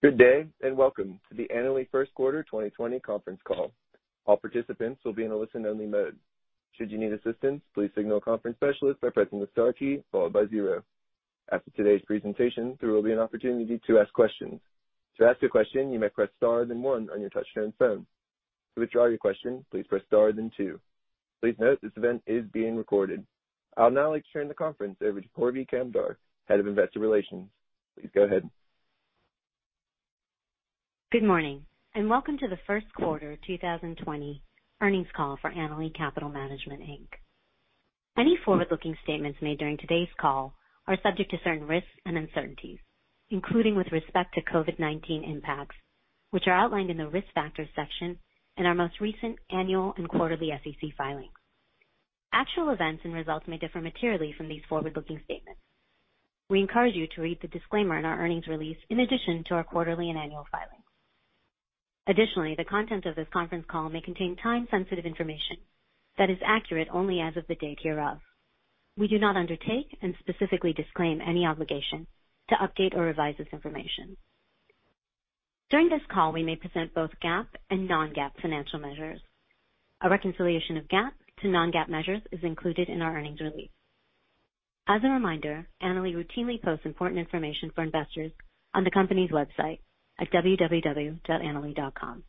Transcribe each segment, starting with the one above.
Good day, and welcome to the Annaly First Quarter 2020 conference call. All participants will be in a listen-only mode. Should you need assistance, please signal a conference specialist by pressing the star key followed by zero. After today's presentation, there will be an opportunity to ask questions. To ask a question, you may press star then one on your touch-tone phone. To withdraw your question, please press star then two. Please note this event is being recorded. I'll now like to turn the conference over to Purvi Kamdar, Head of Investor Relations. Please go ahead. Good morning, and welcome to the First Quarter 2020 earnings call for Annaly Capital Management Inc. Any forward-looking statements made during today's call are subject to certain risks and uncertainties, including with respect to COVID-19 impacts, which are outlined in the risk factors section in our most recent annual and quarterly SEC filings. Actual events and results may differ materially from these forward-looking statements. We encourage you to read the disclaimer in our earnings release in addition to our quarterly and annual filings. Additionally, the content of this conference call may contain time-sensitive information that is accurate only as of the date hereof. We do not undertake and specifically disclaim any obligation to update or revise this information. During this call, we may present both GAAP and non-GAAP financial measures. A reconciliation of GAAP to non-GAAP measures is included in our earnings release. As a reminder, Annaly routinely posts important information for investors on the company's website at www.annaly.com.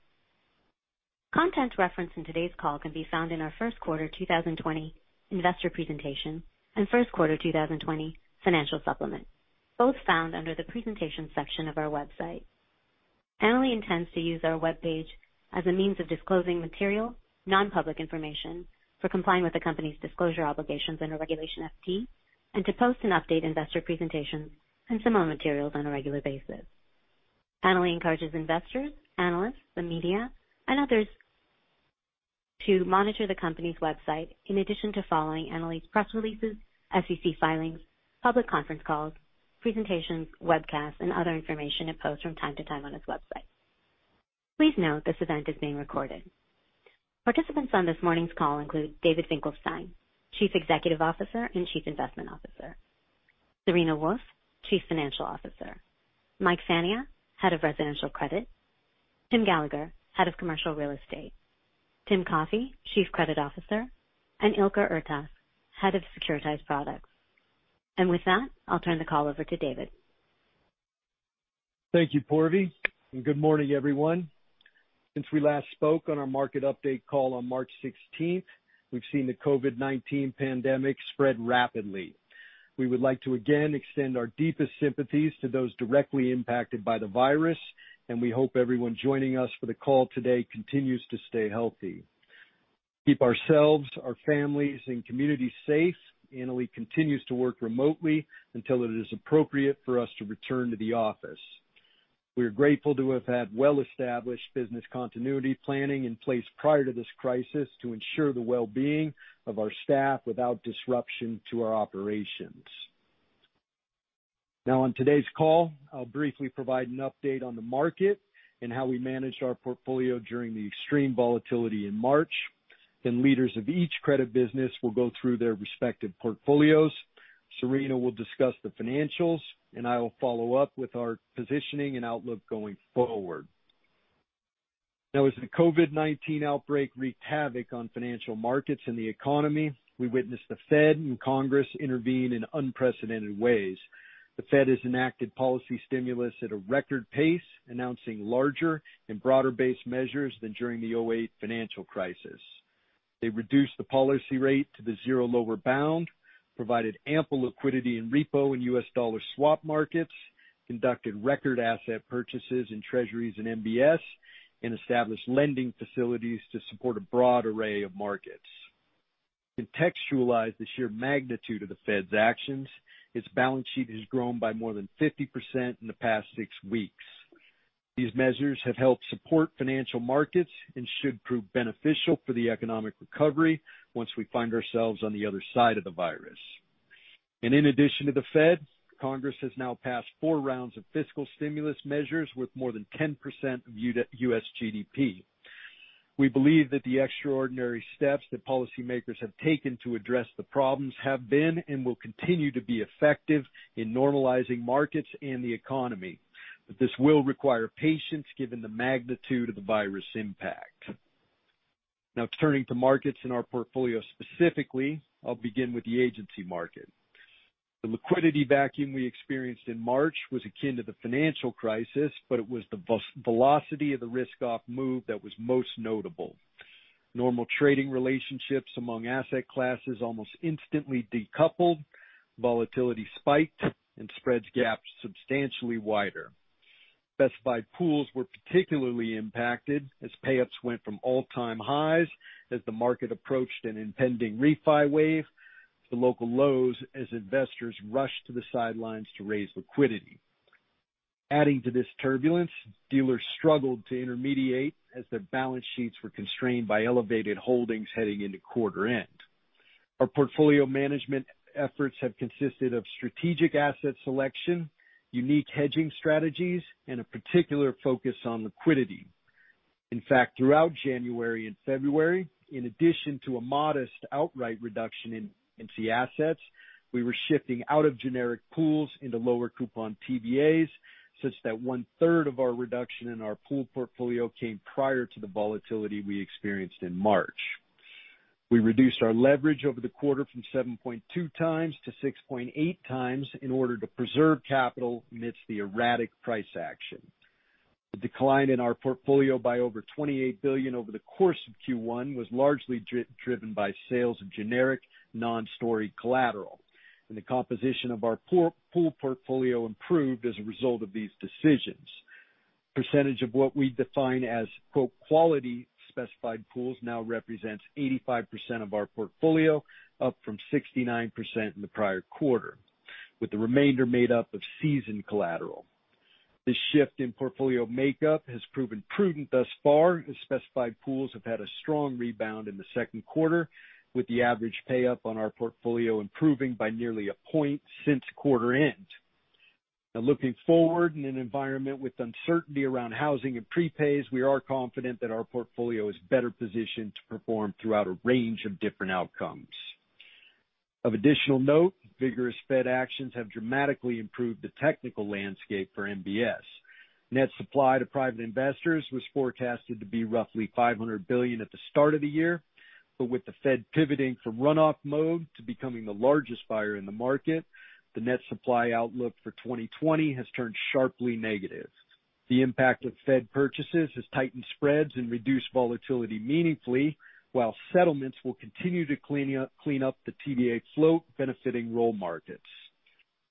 Content referenced in today's call can be found in our first quarter 2020 investor presentation and first quarter 2020 financial supplement, both found under the presentation section of our website. Annaly intends to use our web page as a means of disclosing material, non-public information for complying with the company's disclosure obligations under Regulation FD, and to post and update investor presentations and similar materials on a regular basis. Annaly encourages investors, analysts, the media, and others to monitor the company's website in addition to following Annaly's press releases, SEC filings, public conference calls, presentations, webcasts, and other information it posts from time to time on its website. Please note this event is being recorded. Participants on this morning's call include David Finkelstein, Chief Executive Officer and Chief Investment Officer, Serena Wolfe, Chief Financial Officer, Mike Fania, Head of Residential Credit, Tim Gallagher, Head of Commercial Real Estate, Tim Coffey, Chief Credit Officer, and Ilker Ertas, Head of Securitized Products, and with that, I'll turn the call over to David. Thank you, Purvi. Good morning, everyone. Since we last spoke on our market update call on March 16th, we've seen the COVID-19 pandemic spread rapidly. We would like to again extend our deepest sympathies to those directly impacted by the virus, and we hope everyone joining us for the call today continues to stay healthy. Keep ourselves, our families, and communities safe. Annaly continues to work remotely until it is appropriate for us to return to the office. We are grateful to have had well-established business continuity planning in place prior to this crisis to ensure the well-being of our staff without disruption to our operations. Now, on today's call, I'll briefly provide an update on the market and how we managed our portfolio during the extreme volatility in March. Then leaders of each credit business will go through their respective portfolios. Serena will discuss the financials, and I'll follow up with our positioning and outlook going forward. Now, as the COVID-19 outbreak wreaked havoc on financial markets and the economy, we witnessed the Fed and Congress intervene in unprecedented ways. The Fed has enacted policy stimulus at a record pace, announcing larger and broader-based measures than during the 2008 financial crisis. They reduced the policy rate to the zero lower bound, provided ample liquidity and repo and U.S. dollar swap markets, conducted record asset purchases in Treasuries and MBS, and established lending facilities to support a broad array of markets. To contextualize the sheer magnitude of the Fed's actions, its balance sheet has grown by more than 50% in the past six weeks. These measures have helped support financial markets and should prove beneficial for the economic recovery once we find ourselves on the other side of the virus. In addition to the Fed, Congress has now passed four rounds of fiscal stimulus measures worth more than 10% of U.S. GDP. We believe that the extraordinary steps that policymakers have taken to address the problems have been and will continue to be effective in normalizing markets and the economy. But this will require patience given the magnitude of the virus impact. Now, turning to markets in our portfolio specifically, I'll begin with the agency market. The liquidity vacuum we experienced in March was akin to the financial crisis, but it was the velocity of the risk-off move that was most notable. Normal trading relationships among asset classes almost instantly decoupled, volatility spiked, and spreads gapped substantially wider. Specified pools were particularly impacted as payups went from all-time highs as the market approached an impending refi wave to local lows as investors rushed to the sidelines to raise liquidity. Adding to this turbulence, dealers struggled to intermediate as their balance sheets were constrained by elevated holdings heading into quarter-end. Our portfolio management efforts have consisted of strategic asset selection, unique hedging strategies, and a particular focus on liquidity. In fact, throughout January and February, in addition to a modest outright reduction in NC assets, we were shifting out of generic pools into lower-coupon TBAs such that one-third of our reduction in our pool portfolio came prior to the volatility we experienced in March. We reduced our leverage over the quarter from 7.2x-6.8x in order to preserve capital amidst the erratic price action. The decline in our portfolio by over $28 billion over the course of Q1 was largely driven by sales of generic non-story collateral, and the composition of our pool portfolio improved as a result of these decisions. The percentage of what we define as "quality" specified pools now represents 85% of our portfolio, up from 69% in the prior quarter, with the remainder made up of seasoned collateral. This shift in portfolio makeup has proven prudent thus far, as specified pools have had a strong rebound in the second quarter, with the average payout on our portfolio improving by nearly a point since quarter-end. Now, looking forward in an environment with uncertainty around housing and prepays, we are confident that our portfolio is better positioned to perform throughout a range of different outcomes. Of additional note, vigorous Fed actions have dramatically improved the technical landscape for MBS. Net supply to private investors was forecasted to be roughly $500 billion at the start of the year, but with the Fed pivoting from runoff mode to becoming the largest buyer in the market, the net supply outlook for 2020 has turned sharply negative. The impact of Fed purchases has tightened spreads and reduced volatility meaningfully, while settlements will continue to clean up the TBA float benefiting roll markets.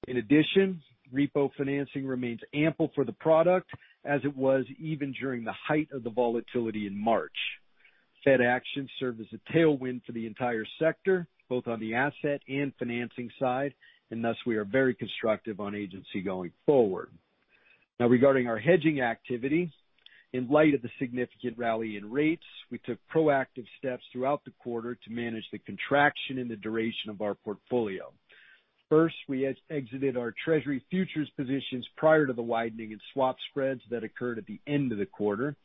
In addition, repo financing remains ample for the product as it was even during the height of the volatility in March. Fed actions serve as a tailwind for the entire sector, both on the asset and financing side, and thus we are very constructive on agency going forward. Now, regarding our hedging activity, in light of the significant rally in rates, we took proactive steps throughout the quarter to manage the contraction in the duration of our portfolio. First, we exited our Treasury futures positions prior to the widening in swap spreads that occurred at the end of the quarter.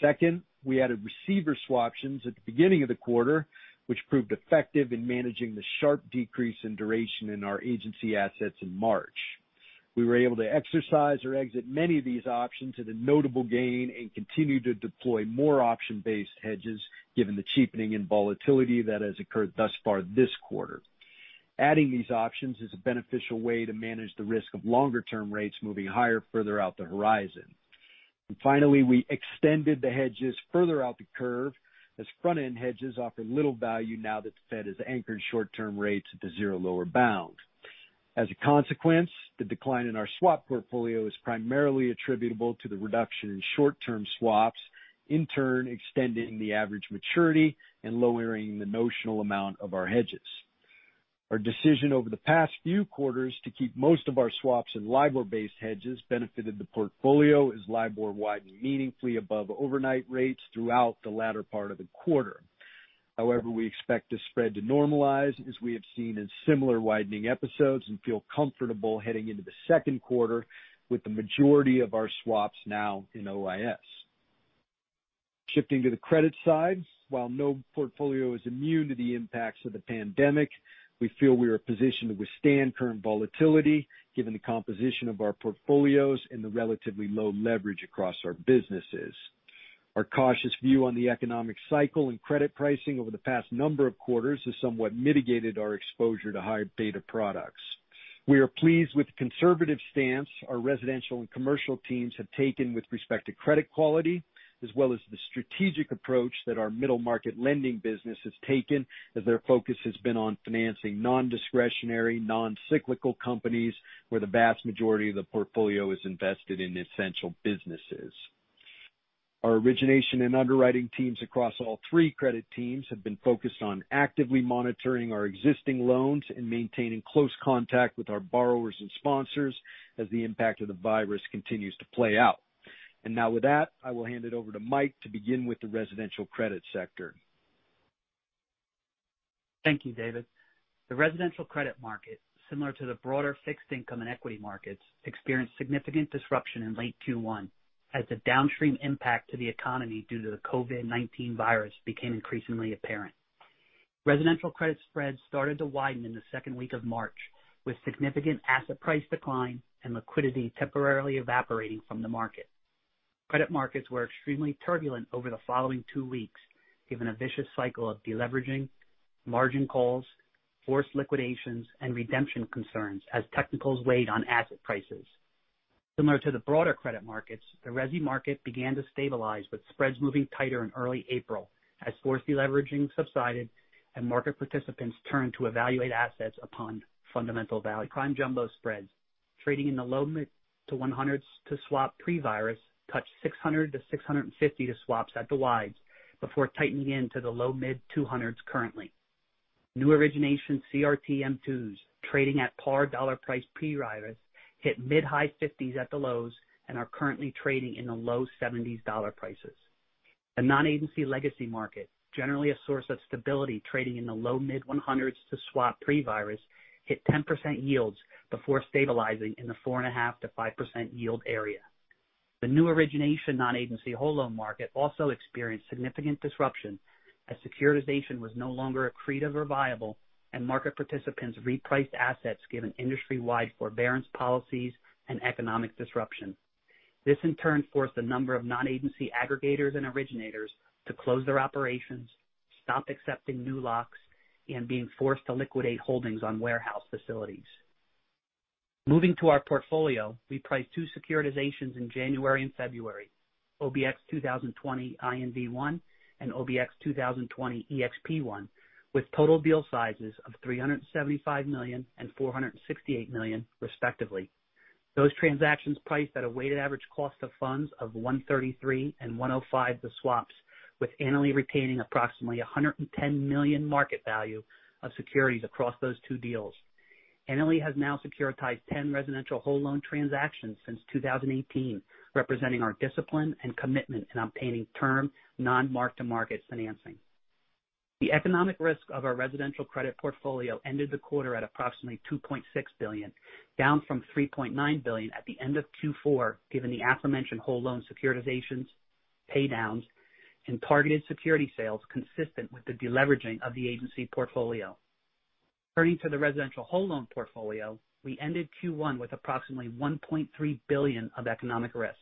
Second, we added receiver swap options at the beginning of the quarter, which proved effective in managing the sharp decrease in duration in our agency assets in March. We were able to exercise or exit many of these options at a notable gain and continue to deploy more option-based hedges given the cheapening in volatility that has occurred thus far this quarter. Adding these options is a beneficial way to manage the risk of longer-term rates moving higher further out the horizon, and finally, we extended the hedges further out the curve as front-end hedges offer little value now that the Fed has anchored short-term rates at the zero lower bound. As a consequence, the decline in our swap portfolio is primarily attributable to the reduction in short-term swaps, in turn extending the average maturity and lowering the notional amount of our hedges. Our decision over the past few quarters to keep most of our swaps in LIBOR-based hedges benefited the portfolio as LIBOR widened meaningfully above overnight rates throughout the latter part of the quarter. However, we expect the spread to normalize as we have seen in similar widening episodes and feel comfortable heading into the second quarter with the majority of our swaps now in OIS. Shifting to the credit side, while no portfolio is immune to the impacts of the pandemic, we feel we are positioned to withstand current volatility given the composition of our portfolios and the relatively low leverage across our businesses. Our cautious view on the economic cycle and credit pricing over the past number of quarters has somewhat mitigated our exposure to higher beta products. We are pleased with the conservative stance our residential and commercial teams have taken with respect to credit quality, as well as the strategic approach that our middle market lending business has taken as their focus has been on financing non-discretionary, non-cyclical companies where the vast majority of the portfolio is invested in essential businesses. Our origination and underwriting teams across all three credit teams have been focused on actively monitoring our existing loans and maintaining close contact with our borrowers and sponsors as the impact of the virus continues to play out, and now with that, I will hand it over to Mike to begin with the residential credit sector. Thank you, David. The residential credit market, similar to the broader fixed income and equity markets, experienced significant disruption in late Q1 as the downstream impact to the economy due to the COVID-19 virus became increasingly apparent. Residential credit spreads started to widen in the second week of March, with significant asset price decline and liquidity temporarily evaporating from the market. Credit markets were extremely turbulent over the following two weeks, given a vicious cycle of deleveraging, margin calls, forced liquidations, and redemption concerns as technicals weighed on asset prices. Similar to the broader credit markets, the resi market began to stabilize with spreads moving tighter in early April as forced deleveraging subsided and market participants turned to evaluate assets upon fundamental. Prime Jumbo spreads trading in the low-mid to 100s to swap pre-virus touched 600-650 to swaps at the wides, before tightening into the low-mid 200s currently. New origination CRT M2s trading at par dollar price pre-virus hit mid-high 50s at the lows and are currently trading in the low 70s dollar prices. The non-agency legacy market, generally a source of stability trading in the low-mid 100s to swap pre-virus, hit 10% yields before stabilizing in the 4.5%-5% yield area. The new origination non-agency whole loan market also experienced significant disruption as securitization was no longer accretive or viable, and market participants repriced assets given industry-wide forbearance policies and economic disruption. This, in turn, forced a number of non-agency aggregators and originators to close their operations, stop accepting new locks, and being forced to liquidate holdings on warehouse facilities. Moving to our portfolio, we priced two securitizations in January and February: OBX-2020-INV1 and OBX-2020-EXP1, with total deal sizes of $375 million and $468 million, respectively. Those transactions priced at a weighted average cost of funds of 133 basis points and 105 basis points the swaps, with Annaly retaining approximately $110 million market value of securities across those two deals. Annaly has now securitized 10 residential whole loan transactions since 2018, representing our discipline and commitment in obtaining term non-mark-to-market financing. The economic risk of our residential credit portfolio ended the quarter at approximately $2.6 billion, down from $3.9 billion at the end of Q4 given the aforementioned whole loan securitizations, paydowns, and targeted security sales consistent with the deleveraging of the agency portfolio. Turning to the residential whole loan portfolio, we ended Q1 with approximately $1.3 billion of economic risk.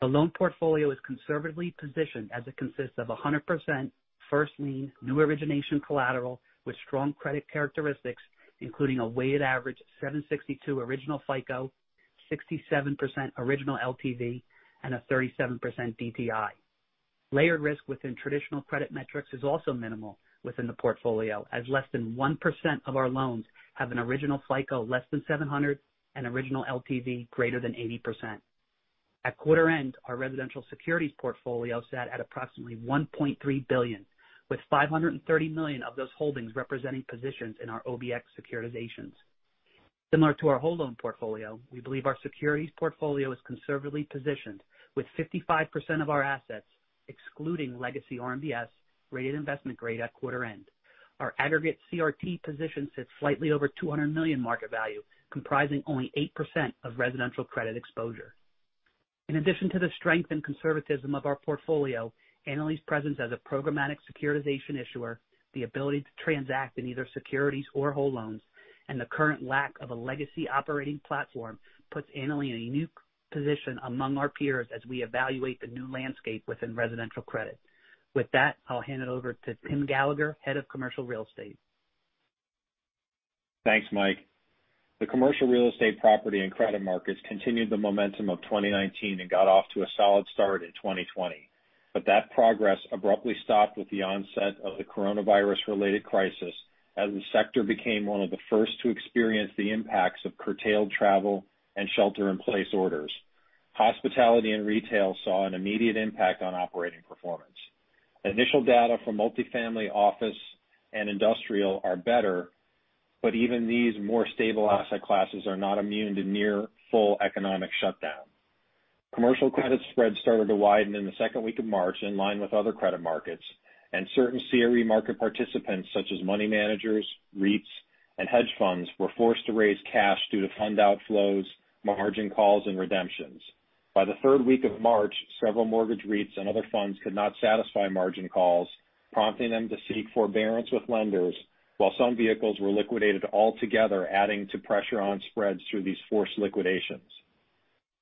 The loan portfolio is conservatively positioned as it consists of 100% first lien, new origination collateral with strong credit characteristics, including a weighted average 762 original FICO, 67% original LTV, and a 37% DTI. Layered risk within traditional credit metrics is also minimal within the portfolio, as less than 1% of our loans have an original FICO less than 700 and original LTV greater than 80%. At quarter-end, our residential securities portfolio sat at approximately $1.3 billion, with $530 million of those holdings representing positions in our OBX securitizations. Similar to our whole loan portfolio, we believe our securities portfolio is conservatively positioned, with 55% of our assets, excluding legacy RMBS, rated investment grade at quarter-end. Our aggregate CRT position sits slightly over $200 million market value, comprising only 8% of residential credit exposure. In addition to the strength and conservatism of our portfolio, Annaly's presence as a programmatic securitization issuer, the ability to transact in either securities or whole loans, and the current lack of a legacy operating platform puts Annaly in a unique position among our peers as we evaluate the new landscape within residential credit. With that, I'll hand it over to Tim Gallagher, Head of Commercial Real Estate. Thanks, Mike. The commercial real estate property and credit markets continued the momentum of 2019 and got off to a solid start in 2020, but that progress abruptly stopped with the onset of the coronavirus-related crisis as the sector became one of the first to experience the impacts of curtailed travel and shelter-in-place orders. Hospitality and retail saw an immediate impact on operating performance. Initial data for multifamily, office, and industrial are better, but even these more stable asset classes are not immune to near-full economic shutdown. Commercial credit spreads started to widen in the second week of March in line with other credit markets, and certain CRE market participants such as money managers, REITs, and hedge funds were forced to raise cash due to fund outflows, margin calls, and redemptions. By the third week of March, several mortgage REITs and other funds could not satisfy margin calls, prompting them to seek forbearance with lenders, while some vehicles were liquidated altogether, adding to pressure on spreads through these forced liquidations.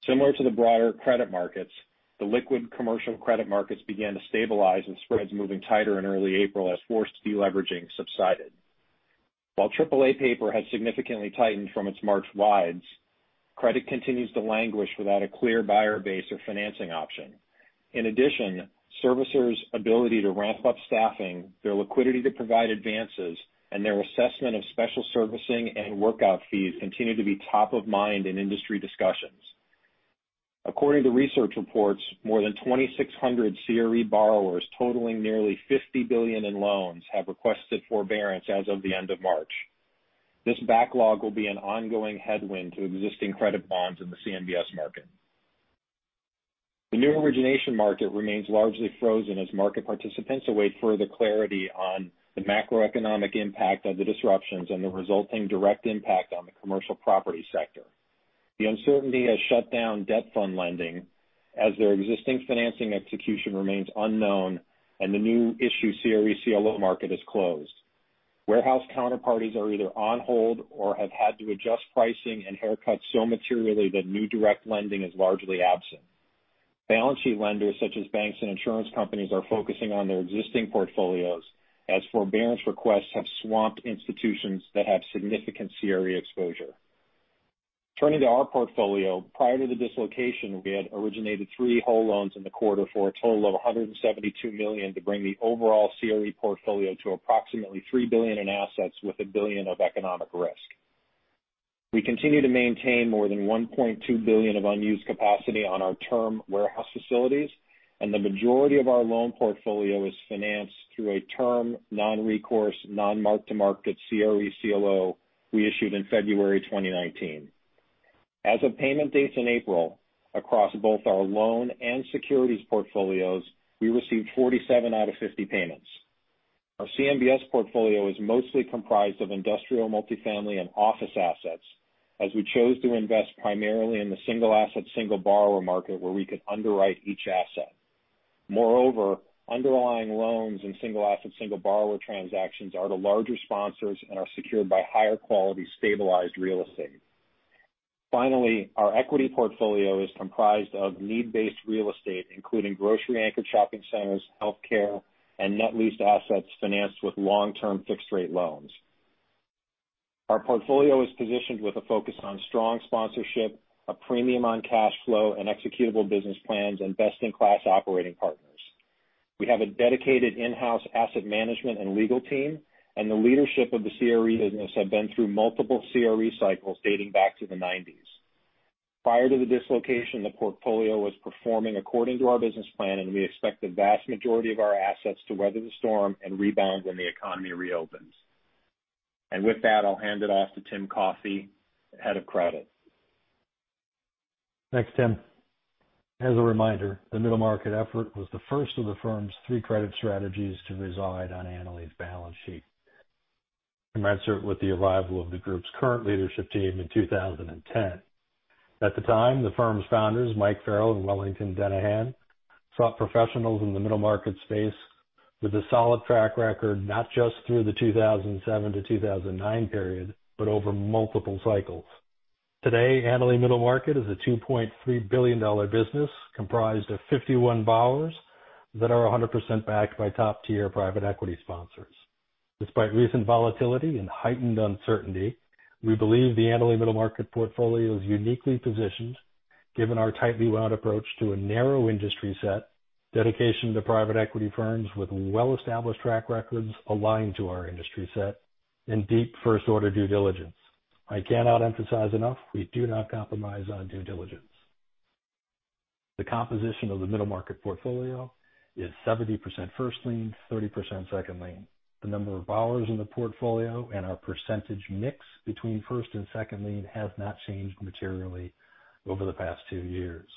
Similar to the broader credit markets, the liquid commercial credit markets began to stabilize with spreads moving tighter in early April as forced deleveraging subsided. While AAA paper has significantly tightened from its March wides, credit continues to languish without a clear buyer base or financing option. In addition, servicers' ability to ramp up staffing, their liquidity to provide advances, and their assessment of special servicing and workout fees continue to be top of mind in industry discussions. According to research reports, more than 2,600 CRE borrowers totaling nearly $50 billion in loans have requested forbearance as of the end of March. This backlog will be an ongoing headwind to existing credit bonds in the CMBS market. The new origination market remains largely frozen as market participants await further clarity on the macroeconomic impact of the disruptions and the resulting direct impact on the commercial property sector. The uncertainty has shut down debt fund lending as their existing financing execution remains unknown and the new issue CRE CLO market is closed. Warehouse counterparties are either on hold or have had to adjust pricing and haircut so materially that new direct lending is largely absent. Balance sheet lenders such as banks and insurance companies are focusing on their existing portfolios as forbearance requests have swamped institutions that have significant CRE exposure. Turning to our portfolio, prior to the dislocation, we had originated three whole loans in the quarter for a total of $172 million to bring the overall CRE portfolio to approximately $3 billion in assets with $1 billion of economic risk. We continue to maintain more than $1.2 billion of unused capacity on our term warehouse facilities, and the majority of our loan portfolio is financed through a term non-recourse, non-mark-to-market CRE CLO we issued in February 2019. As of payment dates in April, across both our loan and securities portfolios, we received 47 out of 50 payments. Our CMBS portfolio is mostly comprised of industrial, multifamily, and office assets as we chose to invest primarily in the single asset, single borrower market where we could underwrite each asset. Moreover, underlying loans and single asset, single borrower transactions are the larger sponsors and are secured by higher quality stabilized real estate. Finally, our equity portfolio is comprised of need-based real estate, including grocery-anchored shopping centers, healthcare, and net-leased assets financed with long-term fixed-rate loans. Our portfolio is positioned with a focus on strong sponsorship, a premium on cash flow, and executable business plans and best-in-class operating partners. We have a dedicated in-house asset management and legal team, and the leadership of the CRE business have been through multiple CRE cycles dating back to the 1990s. Prior to the dislocation, the portfolio was performing according to our business plan, and we expect the vast majority of our assets to weather the storm and rebound when the economy reopens. And with that, I'll hand it off to Tim Coffey, head of credit. Thanks, Tim. As a reminder, the middle market effort was the first of the firm's three credit strategies to reside on Annaly's balance sheet, commensurate with the arrival of the group's current leadership team in 2010. At the time, the firm's founders, Mike Farrell and Wellington Denahan, sought professionals in the middle market space with a solid track record not just through the 2007-2009 period, but over multiple cycles. Today, Annaly Middle Market is a $2.3 billion business comprised of 51 borrowers that are 100% backed by top-tier private equity sponsors. Despite recent volatility and heightened uncertainty, we believe the Annaly Middle Market portfolio is uniquely positioned given our tightly wound approach to a narrow industry set, dedication to private equity firms with well-established track records aligned to our industry set, and deep first-order due diligence. I cannot emphasize enough, we do not compromise on due diligence. The composition of the middle market portfolio is 70% first lien, 30% second lien. The number of borrowers in the portfolio and our percentage mix between first and second lien has not changed materially over the past two years.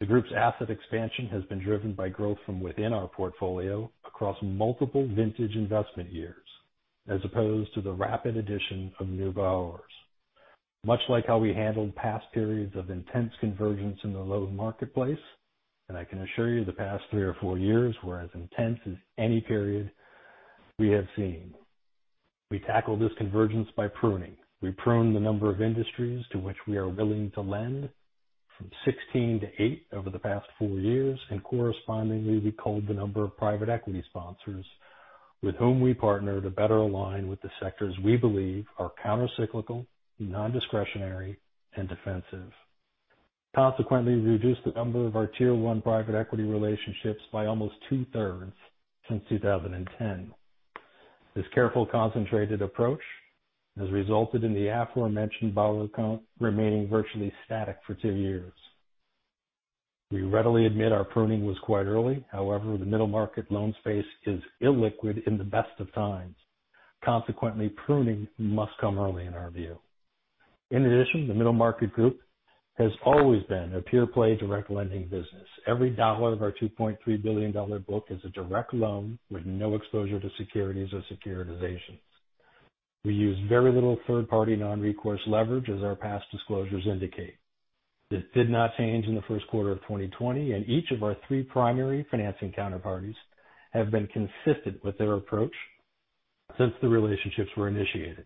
The group's asset expansion has been driven by growth from within our portfolio across multiple vintage investment years as opposed to the rapid addition of new borrowers. Much like how we handled past periods of intense convergence in the loan marketplace, and I can assure you the past three or four years were as intense as any period we have seen. We tackled this convergence by pruning. We pruned the number of industries to which we are willing to lend from 16 to eight over the past four years, and correspondingly, we culled the number of private equity sponsors with whom we partnered to better align with the sectors we believe are countercyclical, non-discretionary, and defensive. Consequently, we reduced the number of our tier-one private equity relationships by almost two-thirds since 2010. This careful concentrated approach has resulted in the aforementioned borrower count remaining virtually static for two years. We readily admit our pruning was quite early. However, the middle market loan space is illiquid in the best of times. Consequently, pruning must come early in our view. In addition, the Middle Market Group has always been a pure-play direct lending business. Every dollar of our $2.3 billion book is a direct loan with no exposure to securities or securitizations. We use very little third-party non-recourse leverage, as our past disclosures indicate. This did not change in the first quarter of 2020, and each of our three primary financing counterparties has been consistent with their approach since the relationships were initiated.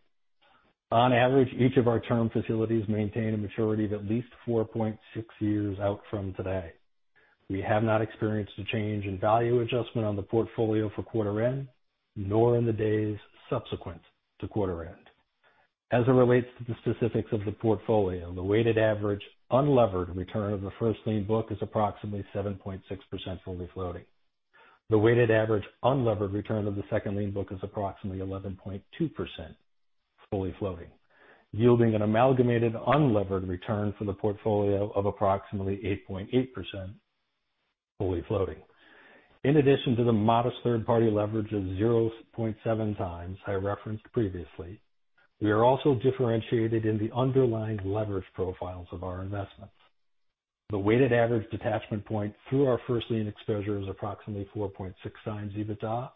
On average, each of our term facilities maintained a maturity of at least 4.6 years out from today. We have not experienced a change in value adjustment on the portfolio for quarter-end, nor in the days subsequent to quarter-end. As it relates to the specifics of the portfolio, the weighted average unlevered return of the first lien book is approximately 7.6% fully floating. The weighted average unlevered return of the second lien book is approximately 11.2% fully floating, yielding an amalgamated unlevered return for the portfolio of approximately 8.8% fully floating. In addition to the modest third-party leverage of 0.7x, I referenced previously, we are also differentiated in the underlying leverage profiles of our investments. The weighted average detachment point through our first lien exposure is approximately 4.6x EBITDA,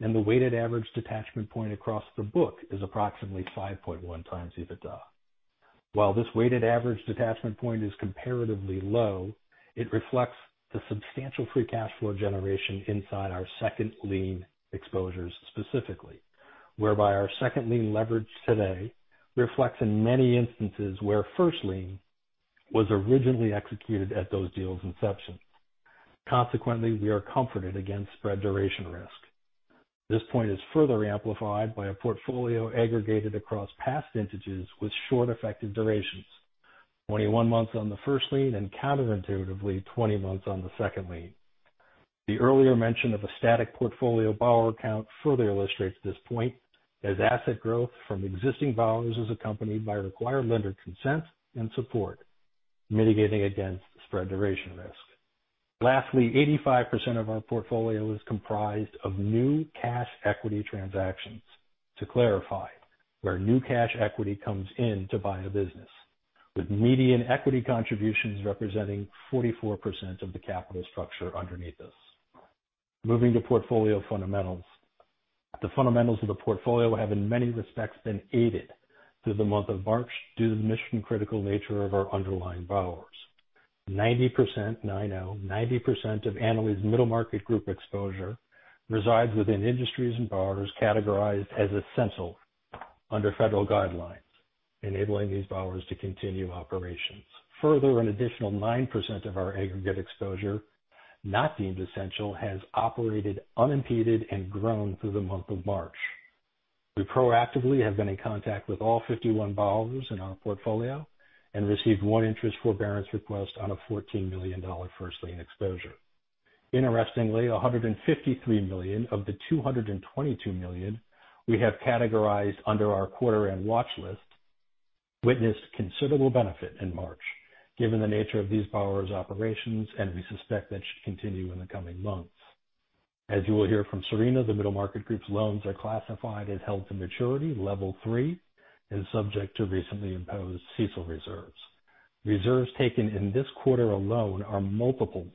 and the weighted average detachment point across the book is approximately 5.1x EBITDA. While this weighted average detachment point is comparatively low, it reflects the substantial free cash flow generation inside our second lien exposures specifically, whereby our second lien leverage today reflects in many instances where first lien was originally executed at those deals' inception. Consequently, we are comforted against spread duration risk. This point is further amplified by a portfolio aggregated across past vintages with short effective durations: 21 months on the first lien and counterintuitively 20 months on the second lien. The earlier mention of a static portfolio borrower count further illustrates this point as asset growth from existing borrowers is accompanied by required lender consent and support, mitigating against spread duration risk. Lastly, 85% of our portfolio is comprised of new cash equity transactions, to clarify, where new cash equity comes in to buy a business, with median equity contributions representing 44% of the capital structure underneath us. Moving to portfolio fundamentals, the fundamentals of the portfolio have in many respects been aided through the month of March due to the mission-critical nature of our underlying borrowers. 90% of Annaly's Middle Market group exposure resides within industries and borrowers categorized as essential under federal guidelines, enabling these borrowers to continue operations. Further, an additional 9% of our aggregate exposure, not deemed essential, has operated unimpeded and grown through the month of March. We proactively have been in contact with all 51 borrowers in our portfolio and received one interest forbearance request on a $14 million first lien exposure. Interestingly, $153 million of the $222 million we have categorized under our quarter-end watch list witnessed considerable benefit in March, given the nature of these borrowers' operations, and we suspect that should continue in the coming months. As you will hear from Serena, the Middle Market Group's loans are classified as held to maturity, Level 3, and subject to recently imposed CECL reserves. Reserves taken in this quarter alone are multiples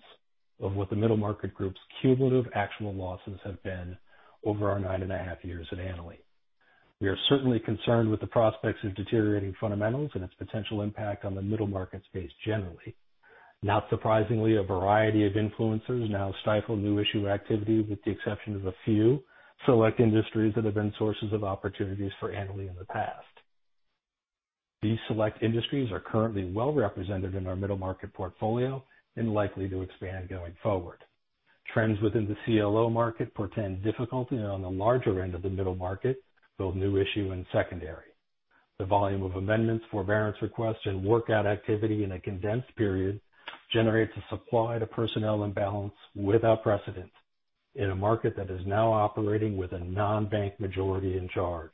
of what the Middle Market Group's cumulative actual losses have been over our nine and a half years at Annaly. We are certainly concerned with the prospects of deteriorating fundamentals and its potential impact on the middle market space generally. Not surprisingly, a variety of influencers now stifle new issue activity with the exception of a few select industries that have been sources of opportunities for Annaly in the past. These select industries are currently well-represented in our middle market portfolio and likely to expand going forward. Trends within the CLO market portend difficulty on the larger end of the middle market, both new issue and secondary. The volume of amendments, forbearance requests, and workout activity in a condensed period generates a supply-to-personnel imbalance without precedent in a market that is now operating with a non-bank majority in charge.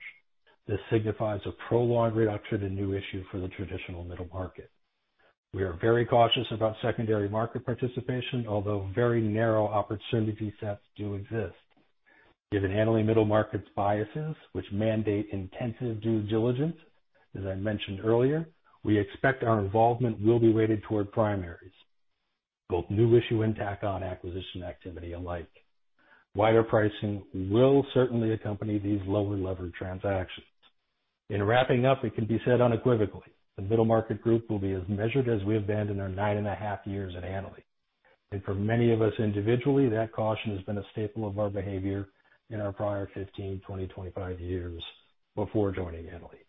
This signifies a prolonged reduction in new issue for the traditional middle market. We are very cautious about secondary market participation, although very narrow opportunity sets do exist. Given Annaly Middle Market's biases, which mandate intensive due diligence, as I mentioned earlier, we expect our involvement will be weighted toward primaries, both new issue and tack-on acquisition activity alike. Wider pricing will certainly accompany these lower-levered transactions. In wrapping up, it can be said unequivocally the Middle Market Group will be as measured as we have been in our nine and a half years at Annaly. And for many of us individually, that caution has been a staple of our behavior in our prior 15 years, 20 years, 25 years before joining Annaly.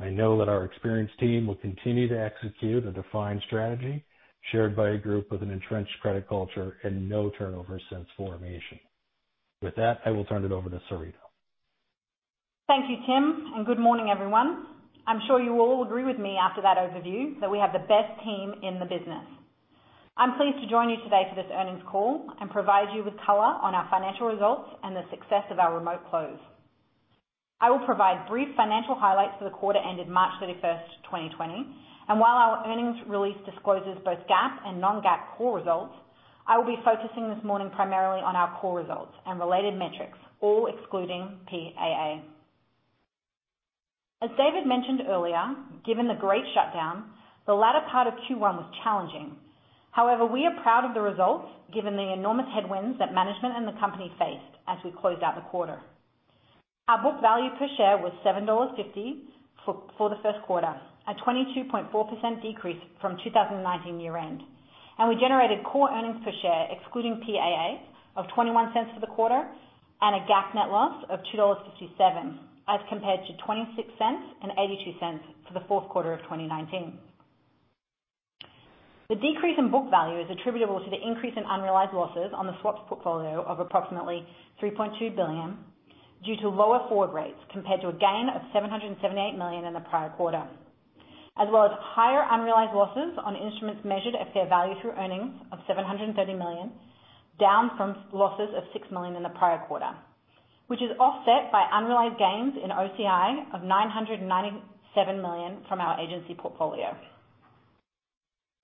I know that our experienced team will continue to execute a defined strategy shared by a group with an entrenched credit culture and no turnover since formation. With that, I will turn it over to Serena. Thank you, Tim, and good morning, everyone. I'm sure you all agree with me after that overview that we have the best team in the business. I'm pleased to join you today for this earnings call and provide you with color on our financial results and the success of our remote close. I will provide brief financial highlights for the quarter ended March 31st, 2020, and while our earnings release discloses both GAAP and non-GAAP core results, I will be focusing this morning primarily on our core results and related metrics, all excluding PAA. As David mentioned earlier, given the great shutdown, the latter part of Q1 was challenging. However, we are proud of the results given the enormous headwinds that management and the company faced as we closed out the quarter. Our book value per share was $7.50 for the first quarter, a 22.4% decrease from 2019 year-end. We generated core earnings per share, excluding PAA, of $0.21 for the quarter and a GAAP net loss of $2.57 as compared to $0.26 and $0.82 for the fourth quarter of 2019. The decrease in book value is attributable to the increase in unrealized losses on the swaps portfolio of approximately $3.2 billion due to lower forward rates compared to a gain of $778 million in the prior quarter, as well as higher unrealized losses on instruments measured at fair value through earnings of $730 million, down from losses of $6 million in the prior quarter, which is offset by unrealized gains in OCI of $997 million from our agency portfolio.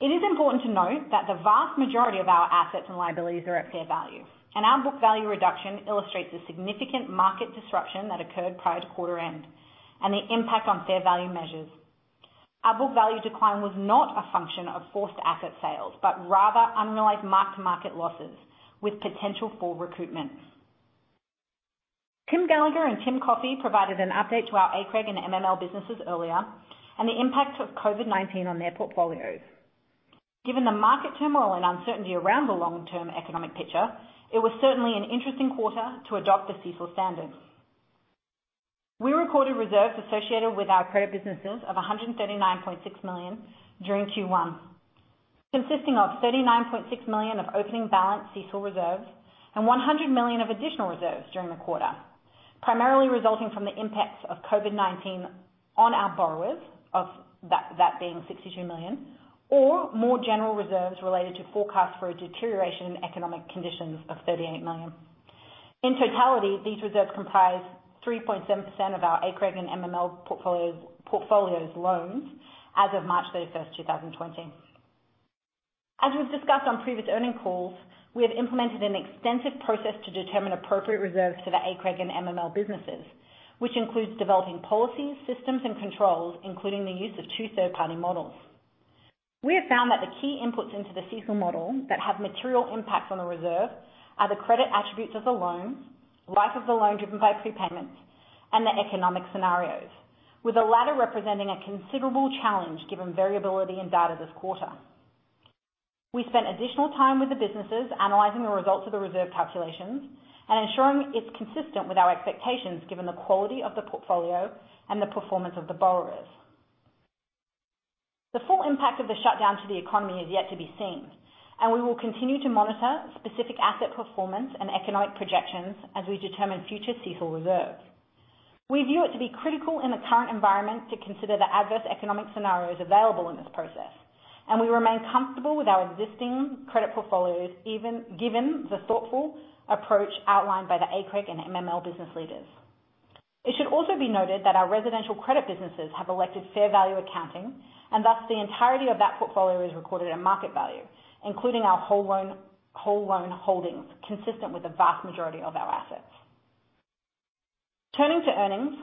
It is important to note that the vast majority of our assets and liabilities are at fair value, and our book value reduction illustrates the significant market disruption that occurred prior to quarter-end and the impact on fair value measures. Our book value decline was not a function of forced asset sales, but rather unrealized mark-to-market losses with potential for recoupment. Tim Gallagher and Tim Coffey provided an update to our ACREG and MML businesses earlier and the impact of COVID-19 on their portfolios. Given the market turmoil and uncertainty around the long-term economic picture, it was certainly an interesting quarter to adopt the CECL standards. We recorded reserves associated with our credit businesses of $139.6 million during Q1, consisting of $39.6 million of opening balance CECL reserves and $100 million of additional reserves during the quarter, primarily resulting from the impacts of COVID-19 on our borrowers, of that being $62 million, or more general reserves related to forecasts for a deterioration in economic conditions of $38 million. In totality, these reserves comprise 3.7% of our ACREG and MML portfolios' loans as of March 31st, 2020. As we've discussed on previous earnings calls, we have implemented an extensive process to determine appropriate reserves for the ACREG and MML businesses, which includes developing policies, systems, and controls, including the use of two third-party models. We have found that the key inputs into the CECL model that have material impacts on the reserve are the credit attributes of the loans, life of the loan driven by prepayments, and the economic scenarios, with the latter representing a considerable challenge given variability in data this quarter. We spent additional time with the businesses analyzing the results of the reserve calculations and ensuring it's consistent with our expectations given the quality of the portfolio and the performance of the borrowers. The full impact of the shutdown to the economy is yet to be seen, and we will continue to monitor specific asset performance and economic projections as we determine future CECL reserves. We view it to be critical in the current environment to consider the adverse economic scenarios available in this process, and we remain comfortable with our existing credit portfolios given the thoughtful approach outlined by the ACREG and MML business leaders. It should also be noted that our residential credit businesses have elected fair value accounting, and thus the entirety of that portfolio is recorded at market value, including our whole loan holdings, consistent with the vast majority of our assets. Turning to earnings,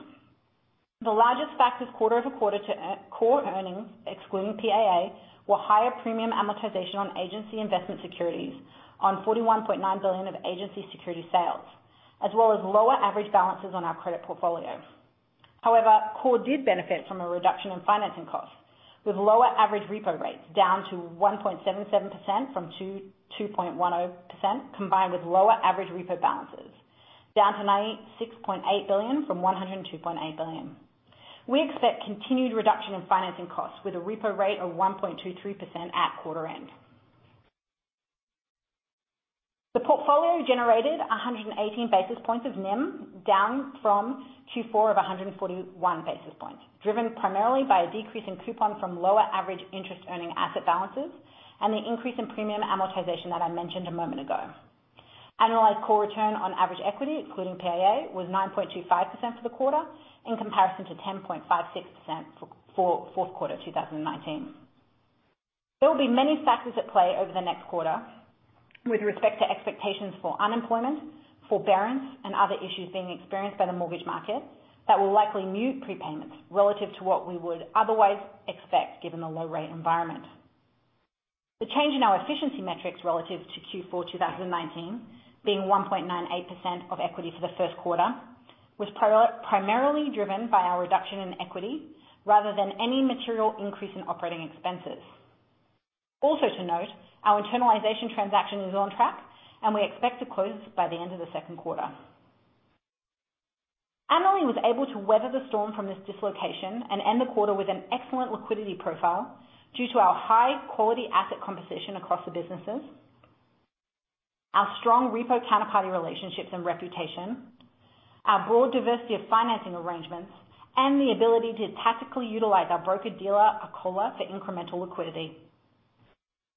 the largest factors quarter-over-quarter to core earnings, excluding PAA, were higher premium amortization on agency investment securities on $41.9 billion of agency security sales, as well as lower average balances on our credit portfolio. However, core did benefit from a reduction in financing costs, with lower average repo rates down to 1.77% from 2.10%, combined with lower average repo balances down to $96.8 billion from $102.8 billion. We expect continued reduction in financing costs with a repo rate of 1.23% at quarter-end. The portfolio generated 118 basis points of NIM down from Q4 of 141 basis points, driven primarily by a decrease in coupon from lower average interest-earning asset balances and the increase in premium amortization that I mentioned a moment ago. Annualized core return on average equity, including PAA, was 9.25% for the quarter in comparison to 10.56% for fourth quarter 2019. There will be many factors at play over the next quarter with respect to expectations for unemployment, forbearance, and other issues being experienced by the mortgage market that will likely mute prepayments relative to what we would otherwise expect given the low-rate environment. The change in our efficiency metrics relative to Q4 2019, being 1.98% of equity for the first quarter, was primarily driven by our reduction in equity rather than any material increase in operating expenses. Also to note, our internalization transaction is on track, and we expect to close by the end of the second quarter. Annaly was able to weather the storm from this dislocation and end the quarter with an excellent liquidity profile due to our high-quality asset composition across the businesses, our strong repo counterparty relationships and reputation, our broad diversity of financing arrangements, and the ability to tactically utilize our broker-dealer account for incremental liquidity.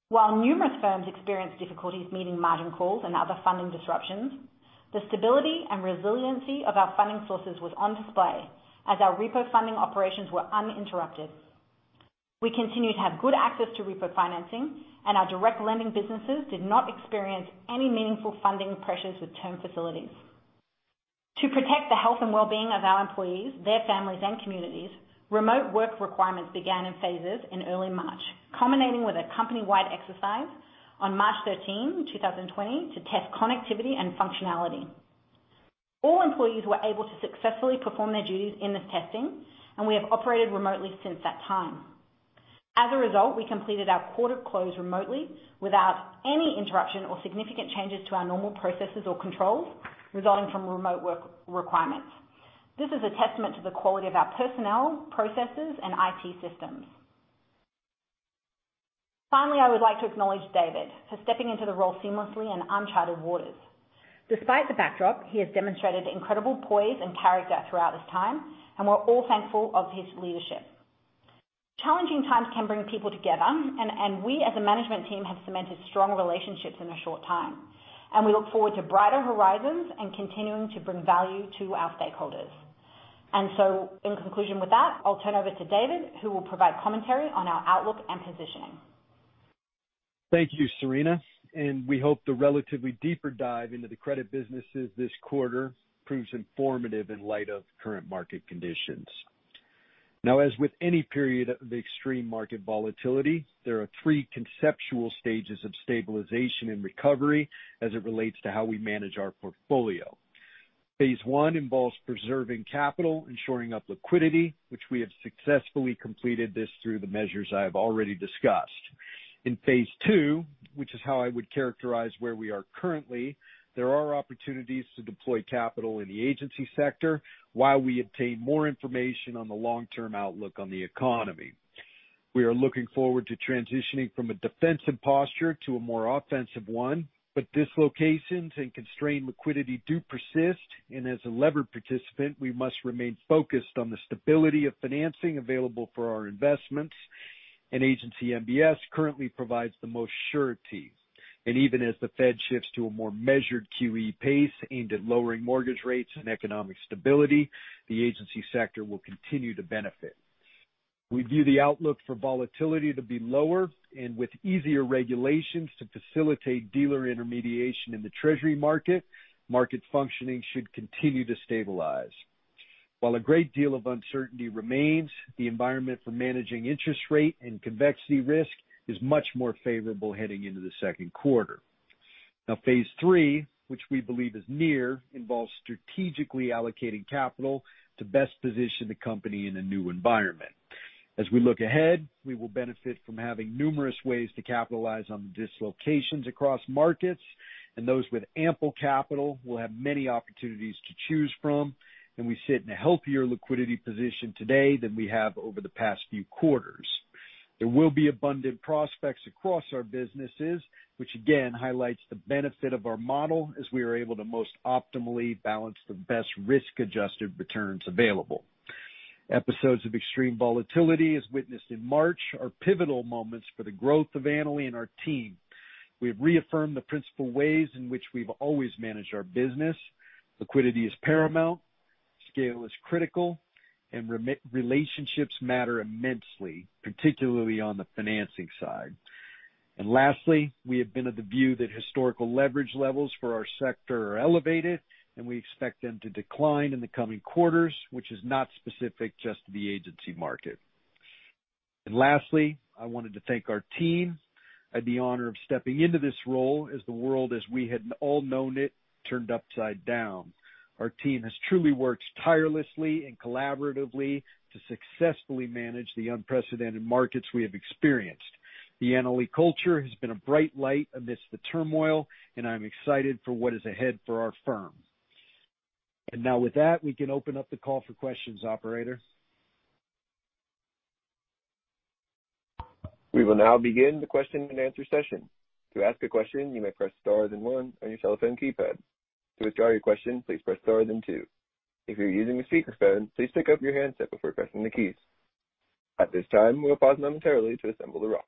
While numerous firms experienced difficulties meeting margin calls and other funding disruptions, the stability and resiliency of our funding sources was on display as our repo funding operations were uninterrupted. We continue to have good access to repo financing, and our direct lending businesses did not experience any meaningful funding pressures with term facilities. To protect the health and well-being of our employees, their families, and communities, remote work requirements began in phases in early March, culminating with a company-wide exercise on March 13, 2020, to test connectivity and functionality. All employees were able to successfully perform their duties in this testing, and we have operated remotely since that time. As a result, we completed our quarter close remotely without any interruption or significant changes to our normal processes or controls resulting from remote work requirements. This is a testament to the quality of our personnel, processes, and IT systems. Finally, I would like to acknowledge David for stepping into the role seamlessly in uncharted waters. Despite the backdrop, he has demonstrated incredible poise and character throughout this time, and we're all thankful for his leadership. Challenging times can bring people together, and we as a management team have cemented strong relationships in a short time, and we look forward to brighter horizons and continuing to bring value to our stakeholders. In conclusion with that, I'll turn over to David, who will provide commentary on our outlook and positioning. Thank you, Serena, and we hope the relatively deeper dive into the credit businesses this quarter proves informative in light of current market conditions. Now, as with any period of extreme market volatility, there are three conceptual stages of stabilization and recovery as it relates to how we manage our portfolio. Phase one involves preserving capital, ensuring up liquidity, which we have successfully completed this through the measures I have already discussed. In phase two, which is how I would characterize where we are currently, there are opportunities to deploy capital in the agency sector while we obtain more information on the long-term outlook on the economy. We are looking forward to transitioning from a defensive posture to a more offensive one, but dislocations and constrained liquidity do persist, and as a levered participant, we must remain focused on the stability of financing available for our investments. Agency MBS currently provides the most surety. Even as the Fed shifts to a more measured QE pace aimed at lowering mortgage rates and economic stability, the agency sector will continue to benefit. We view the outlook for volatility to be lower, and with easier regulations to facilitate dealer intermediation in the Treasury market, market functioning should continue to stabilize. While a great deal of uncertainty remains, the environment for managing interest rate and convexity risk is much more favorable heading into the second quarter. Now, phase three, which we believe is near, involves strategically allocating capital to best position the company in a new environment. As we look ahead, we will benefit from having numerous ways to capitalize on the dislocations across markets, and those with ample capital will have many opportunities to choose from. We sit in a healthier liquidity position today than we have over the past few quarters. There will be abundant prospects across our businesses, which again highlights the benefit of our model as we are able to most optimally balance the best risk-adjusted returns available. Episodes of extreme volatility, as witnessed in March, are pivotal moments for the growth of Annaly and our team. We have reaffirmed the principal ways in which we've always managed our business. Liquidity is paramount. Scale is critical, and relationships matter immensely, particularly on the financing side. Lastly, we have been of the view that historical leverage levels for our sector are elevated, and we expect them to decline in the coming quarters, which is not specific just to the agency market. Lastly, I wanted to thank our team. I'd be honored of stepping into this role as the world, as we had all known it, turned upside down. Our team has truly worked tirelessly and collaboratively to successfully manage the unprecedented markets we have experienced. The Annaly culture has been a bright light amidst the turmoil, and I'm excited for what is ahead for our firm. And now with that, we can open up the call for questions, Operator. We will now begin the question-and-answer session. To ask a question, you may press star then one on your telephone keypad. To withdraw your question, please press star then two. If you're using a speakerphone, please pick up your handset before pressing the keys. At this time, we'll pause momentarily to assemble the questions.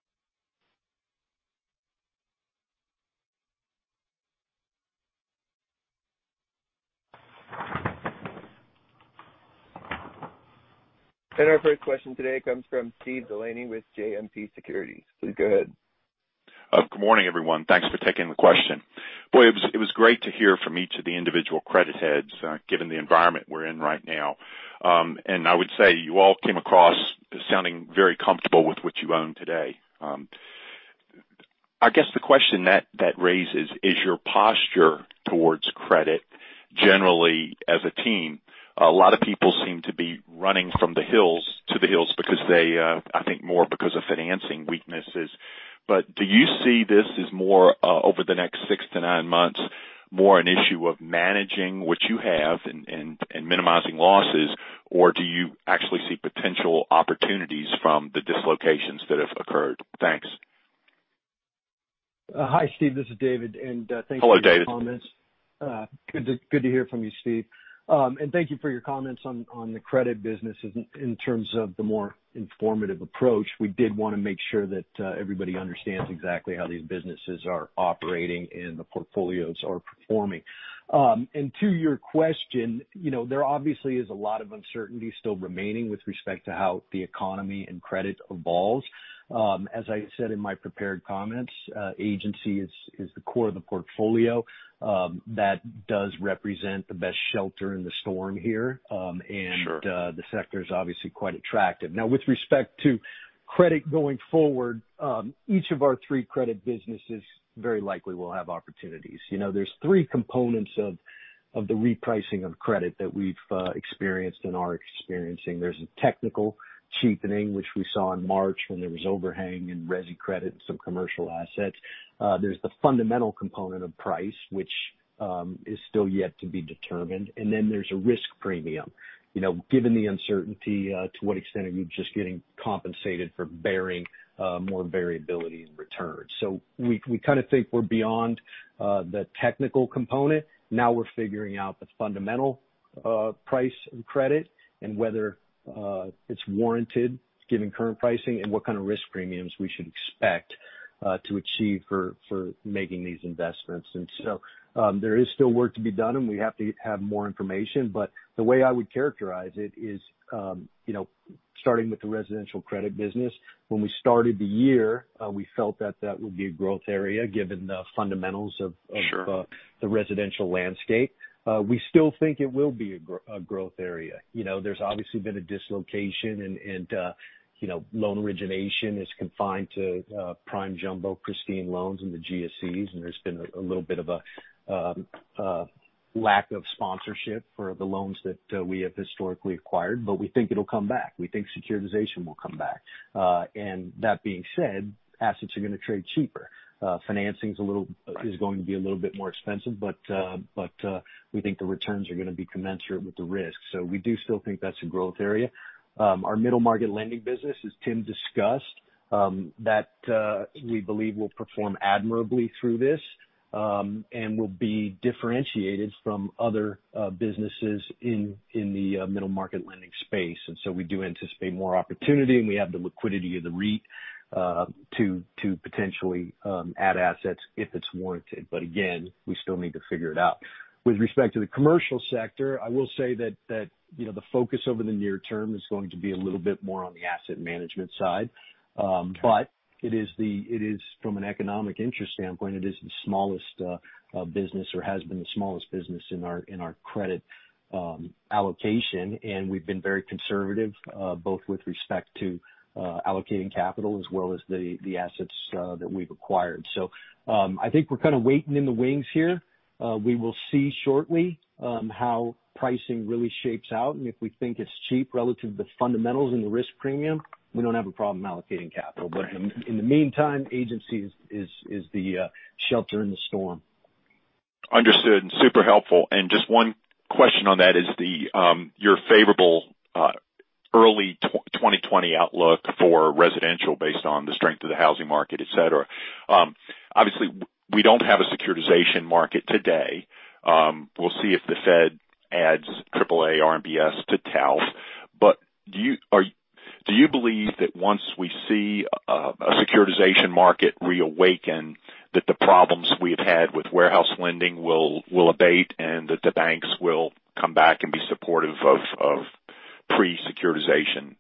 Our first question today comes from Steve Delaney with JMP Securities. Please go ahead. Good morning, everyone. Thanks for taking the question. Boy, it was great to hear from each of the individual credit heads, given the environment we're in right now. And I would say you all came across sounding very comfortable with what you own today. I guess the question that raises is your posture towards credit generally as a team. A lot of people seem to be running from the hills to the hills because they, I think, more because of financing weaknesses. But do you see this as more, over the next six to nine months, more an issue of managing what you have and minimizing losses, or do you actually see potential opportunities from the dislocations that have occurred? Thanks. Hi, Steve. This is David, and thanks for your comments. Hello, David. Good to hear from you, Steve. And thank you for your comments on the credit businesses in terms of the more informative approach. We did want to make sure that everybody understands exactly how these businesses are operating and the portfolios are performing. And to your question, there obviously is a lot of uncertainty still remaining with respect to how the economy and credit evolves. As I said in my prepared comments, agency is the core of the portfolio. That does represent the best shelter in the storm here, and the sector is obviously quite attractive. Now, with respect to credit going forward, each of our three credit businesses very likely will have opportunities. There's three components of the repricing of credit that we've experienced and are experiencing. There's a technical cheapening, which we saw in March when there was overhang and resi credit and some commercial assets. There's the fundamental component of price, which is still yet to be determined, and then there's a risk premium. Given the uncertainty, to what extent are you just getting compensated for bearing more variability in returns? We kind of think we're beyond the technical component. Now we're figuring out the fundamental price of credit and whether it's warranted, given current pricing, and what kind of risk premiums we should expect to achieve for making these investments, so there is still work to be done, and we have to have more information. The way I would characterize it is starting with the residential credit business. When we started the year, we felt that that would be a growth area given the fundamentals of the residential landscape. We still think it will be a growth area. There's obviously been a dislocation, and loan origination is confined to Prime Jumbo, conforming loans, and the GSEs. There's been a little bit of a lack of sponsorship for the loans that we have historically acquired, but we think it'll come back. We think securitization will come back. That being said, assets are going to trade cheaper. Financing is going to be a little bit more expensive, but we think the returns are going to be commensurate with the risk. We do still think that's a growth area. Our middle market lending business, as Tim discussed, we believe will perform admirably through this and will be differentiated from other businesses in the middle market lending space. We do anticipate more opportunity, and we have the liquidity of the REIT to potentially add assets if it's warranted. But again, we still need to figure it out. With respect to the commercial sector, I will say that the focus over the near term is going to be a little bit more on the asset management side. But it is, from an economic interest standpoint, it is the smallest business or has been the smallest business in our credit allocation. And we've been very conservative both with respect to allocating capital as well as the assets that we've acquired. So I think we're kind of waiting in the wings here. We will see shortly how pricing really shapes out. And if we think it's cheap relative to the fundamentals and the risk premium, we don't have a problem allocating capital. But in the meantime, agency is the shelter in the storm. Understood. And super helpful. And just one question on that: is your favorable early 2020 outlook for residential, based on the strength of the housing market, etc.? Obviously, we don't have a securitization market today. We'll see if the Fed adds AAA RMBS to TALF. But do you believe that once we see a securitization market reawaken, that the problems we have had with warehouse lending will abate and that the banks will come back and be supportive of pre-securitization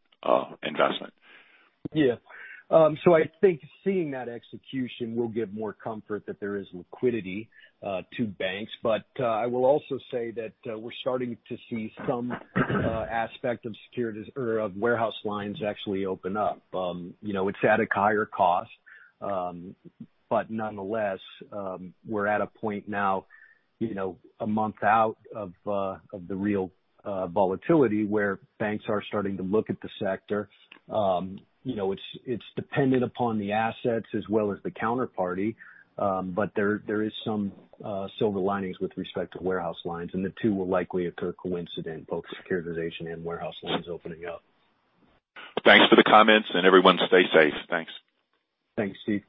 investment? Yeah. So I think seeing that execution will give more comfort that there is liquidity to banks. But I will also say that we're starting to see some aspect of warehouse lines actually open up. It's at a higher cost, but nonetheless, we're at a point now a month out of the real volatility where banks are starting to look at the sector. It's dependent upon the assets as well as the counterparty, but there are some silver linings with respect to warehouse lines. And the two will likely occur coincident, both securitization and warehouse lines opening up. Thanks for the comments, and everyone stay safe. Thanks. Thanks, Steve.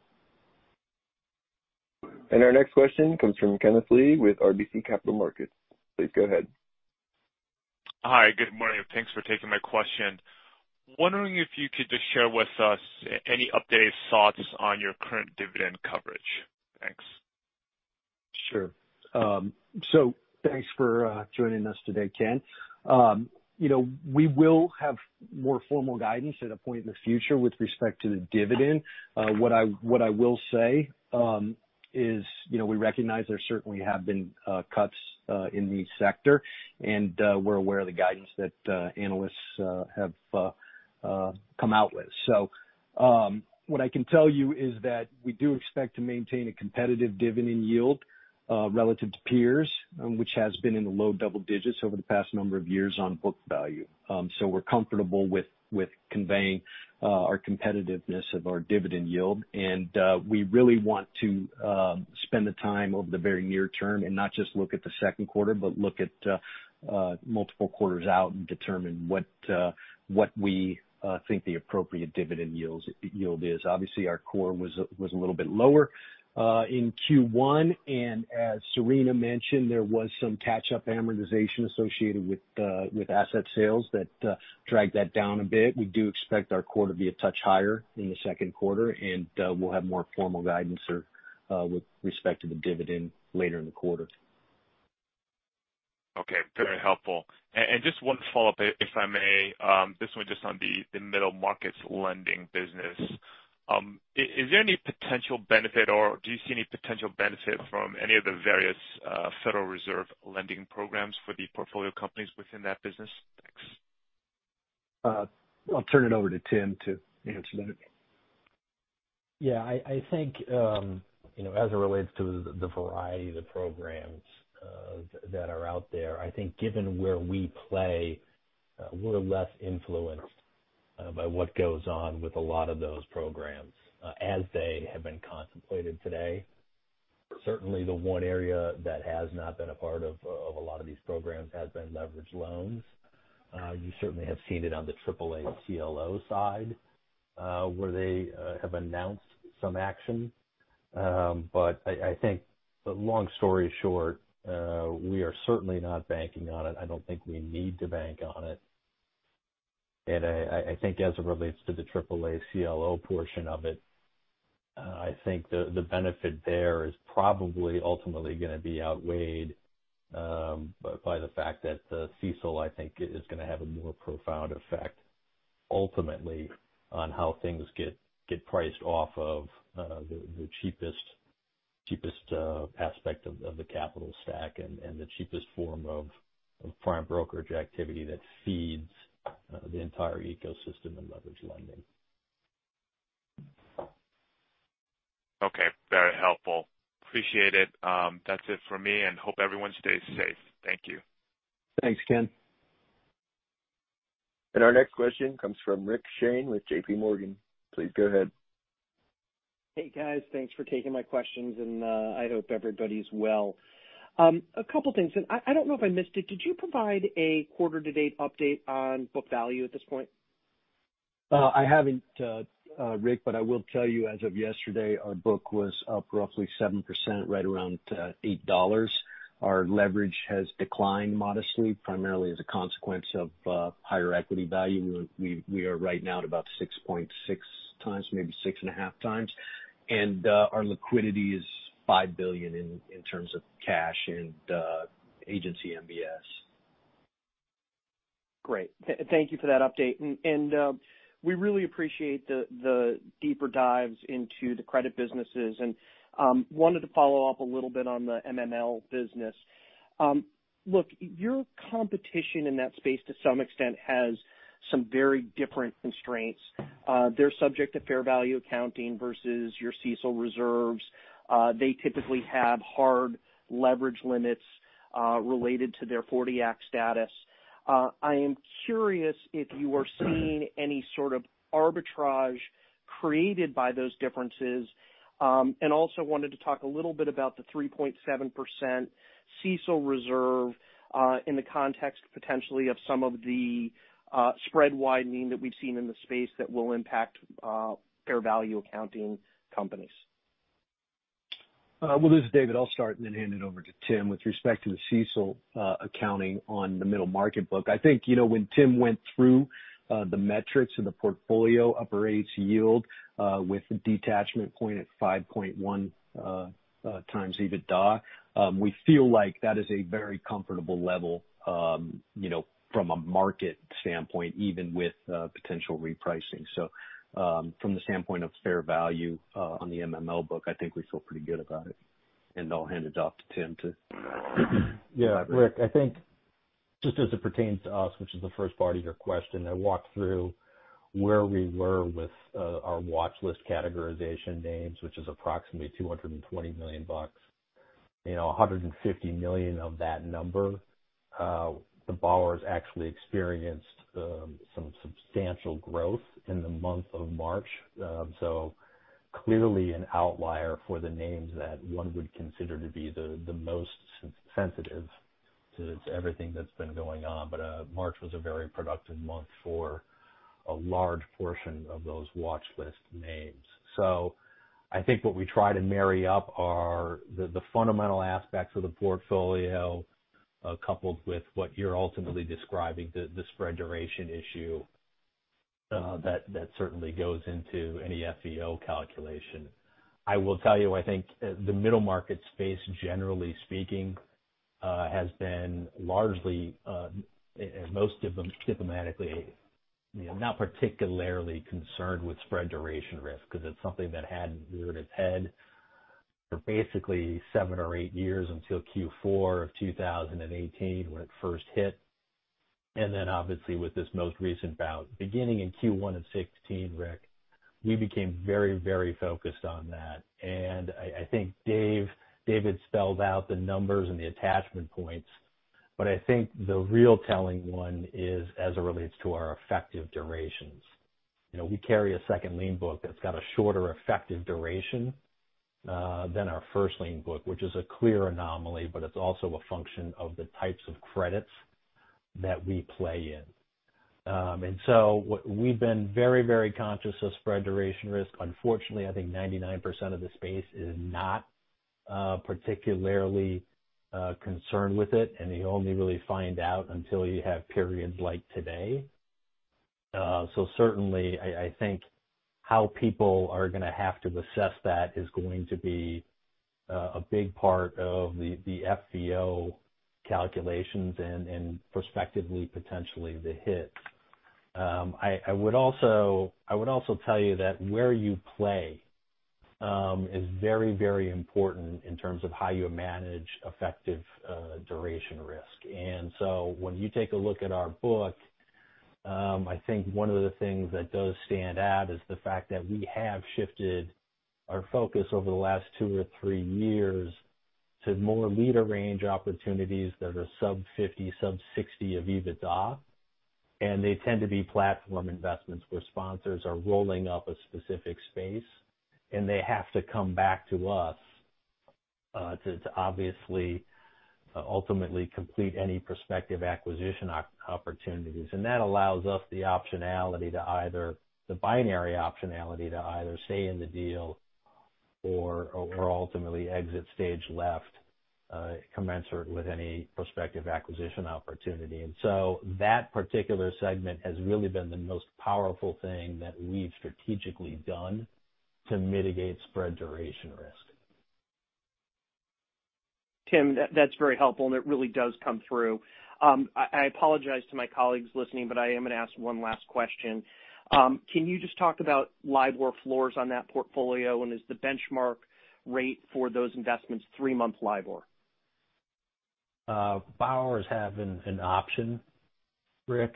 Our next question comes from Kenneth Lee with RBC Capital Markets. Please go ahead. Hi, good morning. Thanks for taking my question. Wondering if you could just share with us any updated thoughts on your current dividend coverage? Thanks. Sure, so thanks for joining us today, Ken. We will have more formal guidance at a point in the future with respect to the dividend. What I will say is we recognize there certainly have been cuts in the sector, and we're aware of the guidance that analysts have come out with, so what I can tell you is that we do expect to maintain a competitive dividend yield relative to peers, which has been in the low double digits over the past number of years on book value, so we're comfortable with conveying our competitiveness of our dividend yield, and we really want to spend the time over the very near term and not just look at the second quarter, but look at multiple quarters out and determine what we think the appropriate dividend yield is. Obviously, our core was a little bit lower in Q1. As Serena mentioned, there was some catch-up amortization associated with asset sales that dragged that down a bit. We do expect our core to be a touch higher in the second quarter, and we'll have more formal guidance with respect to the dividend later in the quarter. Okay. Very helpful. And just one follow-up, if I may. This one just on the middle markets lending business. Is there any potential benefit, or do you see any potential benefit from any of the various Federal Reserve lending programs for the portfolio companies within that business? Thanks. I'll turn it over to Tim to answer that. Yeah. I think as it relates to the variety of the programs that are out there, I think given where we play, we're less influenced by what goes on with a lot of those programs as they have been contemplated today. Certainly, the one area that has not been a part of a lot of these programs has been leveraged loans. You certainly have seen it on the AAA CLO side where they have announced some action. But I think, long story short, we are certainly not banking on it. I don't think we need to bank on it. And I think as it relates to the AAA CLO portion of it, I think the benefit there is probably ultimately going to be outweighed by the fact that the CECL, I think, is going to have a more profound effect ultimately on how things get priced off of the cheapest aspect of the capital stack and the cheapest form of prime brokerage activity that feeds the entire ecosystem and leverage lending. Okay. Very helpful. Appreciate it. That's it for me, and hope everyone stays safe. Thank you. Thanks, Ken. Our next question comes from Rick Shane with JPMorgan. Please go ahead. Hey, guys. Thanks for taking my questions, and I hope everybody's well. A couple of things, and I don't know if I missed it. Did you provide a quarter-to-date update on book value at this point? I haven't, Rick, but I will tell you as of yesterday, our book was up roughly 7%, right around $8. Our leverage has declined modestly, primarily as a consequence of higher equity value. We are right now at about 6.6x, maybe 6.5x. Our liquidity is $5 billion in terms of cash and Agency MBS. Great. Thank you for that update. And we really appreciate the deeper dives into the credit businesses. And wanted to follow up a little bit on the MML business. Look, your competition in that space to some extent has some very different constraints. They're subject to fair value accounting versus your CECL reserves. They typically have hard leverage limits related to their 40 Act status. I am curious if you are seeing any sort of arbitrage created by those differences. And also wanted to talk a little bit about the 3.7% CECL reserve in the context potentially of some of the spread widening that we've seen in the space that will impact fair value accounting companies. This is David. I'll start and then hand it over to Tim with respect to the CECL accounting on the middle market book. I think when Tim went through the metrics of the portfolio, upper eights yield with a detachment point at 5.1x EBITDA, we feel like that is a very comfortable level from a market standpoint, even with potential repricing. So from the standpoint of fair value on the MML book, I think we feel pretty good about it. I'll hand it off to Tim to. Yeah. Rick, I think just as it pertains to us, which is the first part of your question, I walked through where we were with our watchlist categorization names, which is approximately $220 million. $150 million of that number, the borrowers actually experienced some substantial growth in the month of March. So clearly an outlier for the names that one would consider to be the most sensitive to everything that's been going on. But March was a very productive month for a large portion of those watchlist names. So I think what we try to marry up are the fundamental aspects of the portfolio coupled with what you're ultimately describing, the spread duration issue that certainly goes into any FVO calculation. I will tell you, I think the middle market space, generally speaking, has been largely, most diplomatically, not particularly concerned with spread duration risk because it's something that hadn't reared its head for basically seven or eight years until Q4 of 2018 when it first hit, and then obviously with this most recent bout beginning in Q1 of 2016, Rick, we became very, very focused on that. And I think David spelled out the numbers and the attachment points, but I think the real telling one is as it relates to our effective durations. We carry a second lien book that's got a shorter effective duration than our first lien book, which is a clear anomaly, but it's also a function of the types of credits that we play in, and so we've been very, very conscious of spread duration risk. Unfortunately, I think 99% of the space is not particularly concerned with it, and you only really find out until you have periods like today. So certainly, I think how people are going to have to assess that is going to be a big part of the FVO calculations and prospectively potentially the hits. I would also tell you that where you play is very, very important in terms of how you manage effective duration risk. And so when you take a look at our book, I think one of the things that does stand out is the fact that we have shifted our focus over the last two or three years to more leverage range opportunities that are sub-50, sub-60 of EBITDA. And they tend to be platform investments where sponsors are rolling up a specific space, and they have to come back to us to obviously ultimately complete any prospective acquisition opportunities. And that allows us the binary optionality to either stay in the deal or ultimately exit stage left, commensurate with any prospective acquisition opportunity. And so that particular segment has really been the most powerful thing that we've strategically done to mitigate spread duration risk. Tim, that's very helpful, and it really does come through. I apologize to my colleagues listening, but I am going to ask one last question. Can you just talk about LIBOR floors on that portfolio, and is the benchmark rate for those investments three-month LIBOR? Borrowers have an option, Rick,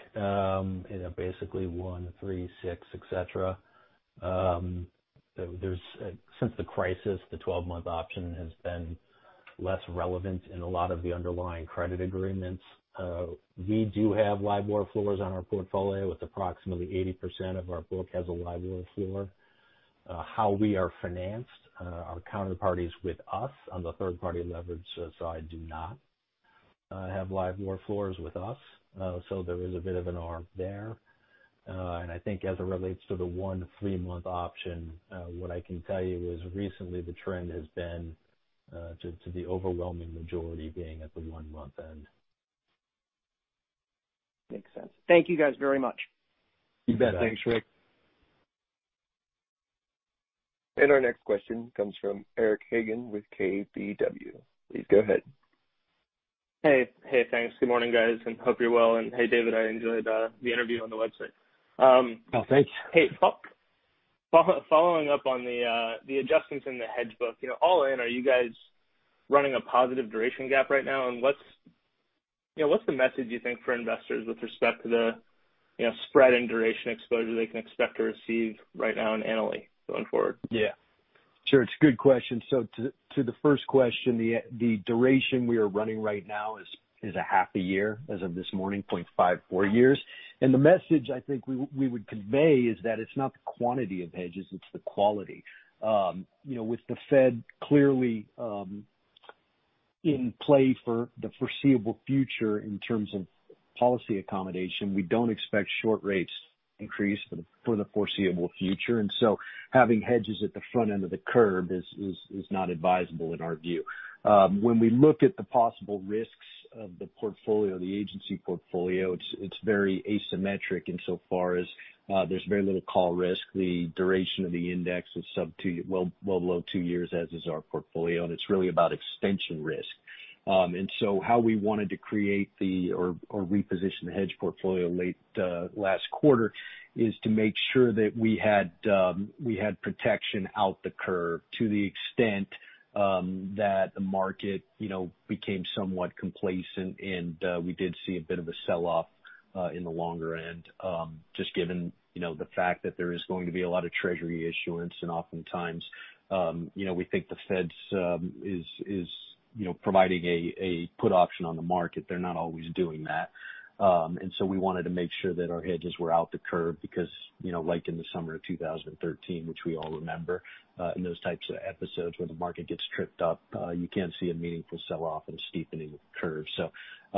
basically one, three, six, etc. Since the crisis, the 12-month option has been less relevant in a lot of the underlying credit agreements. We do have LIBOR floors on our portfolio, with approximately 80% of our book has a LIBOR floor. How we are financed, our counterparties with us on the third-party leverage side do not have LIBOR floors with us. So there is a bit of an arb there. I think as it relates to the one three-month option, what I can tell you is recently the trend has been to the overwhelming majority being at the one-month end. Makes sense. Thank you guys very much. You bet. Thanks, Rick. And our next question comes from Eric Hagen with KBW. Please go ahead. Hey. Hey, thanks. Good morning, guys. And hope you're well. And hey, David, I enjoyed the interview on the website. Oh, thanks. Hey. Following up on the adjustments in the hedge book, all in, are you guys running a positive duration gap right now? And what's the message you think for investors with respect to the spread and duration exposure they can expect to receive right now and annually going forward? Yeah. Sure. It's a good question. So to the first question, the duration we are running right now is a half a year as of this morning, 0.54 years. And the message I think we would convey is that it's not the quantity of hedges, it's the quality. With the Fed clearly in play for the foreseeable future in terms of policy accommodation, we don't expect short rates to increase for the foreseeable future. And so having hedges at the front end of the curve is not advisable in our view. When we look at the possible risks of the portfolio, the agency portfolio, it's very asymmetric insofar as there's very little call risk. The duration of the index is well below two years, as is our portfolio, and it's really about extension risk. And so how we wanted to create, or reposition, the hedge portfolio late last quarter is to make sure that we had protection out the curve to the extent that the market became somewhat complacent, and we did see a bit of a sell-off in the longer end, just given the fact that there is going to be a lot of Treasury issuance. And oftentimes, we think the Fed is providing a put option on the market. They're not always doing that. And so we wanted to make sure that our hedges were out the curve because, like in the summer of 2013, which we all remember, in those types of episodes where the market gets tripped up, you can't see a meaningful sell-off and a steepening of the curve. So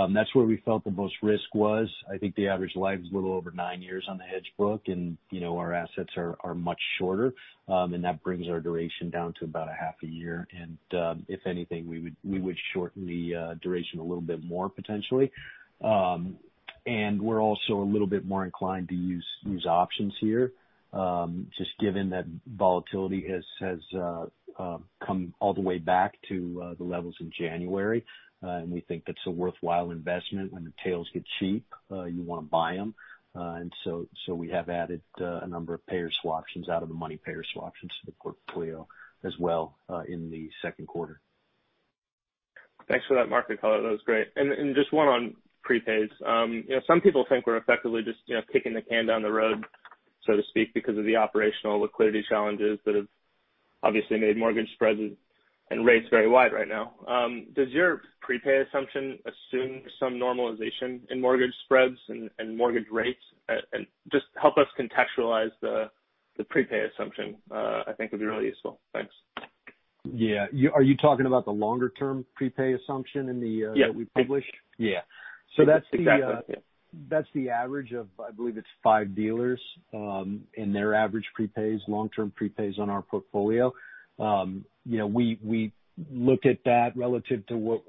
that's where we felt the most risk was. I think the average life is a little over nine years on the hedge book, and our assets are much shorter. And that brings our duration down to about a half a year. And if anything, we would shorten the duration a little bit more potentially. And we're also a little bit more inclined to use options here, just given that volatility has come all the way back to the levels in January. And we think that's a worthwhile investment. When the tails get cheap, you want to buy them. And so we have added a number of payer swaptions out of the money payer swaptions to the portfolio as well in the second quarter. Thanks for that, Mike. I thought that was great. And just one on prepays. Some people think we're effectively just kicking the can down the road, so to speak, because of the operational liquidity challenges that have obviously made mortgage spreads and rates very wide right now. Does your prepay assumption assume some normalization in mortgage spreads and mortgage rates? And just help us contextualize the prepay assumption. I think it'd be really useful. Thanks. Yeah. Are you talking about the longer-term prepay assumption that we publish? Yeah. Yeah. So that's the average of, I believe it's five dealers and their average prepays, long-term prepays on our portfolio. We look at that relative to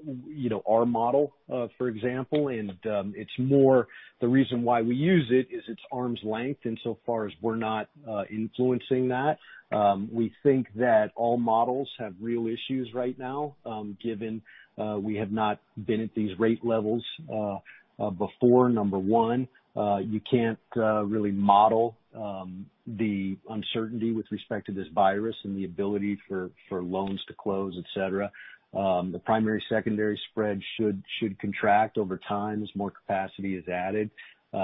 our model, for example. And the reason why we use it is it's arm's length insofar as we're not influencing that. We think that all models have real issues right now, given we have not been at these rate levels before. Number one, you can't really model the uncertainty with respect to this virus and the ability for loans to close, etc. The primary secondary spread should contract over time as more capacity is added.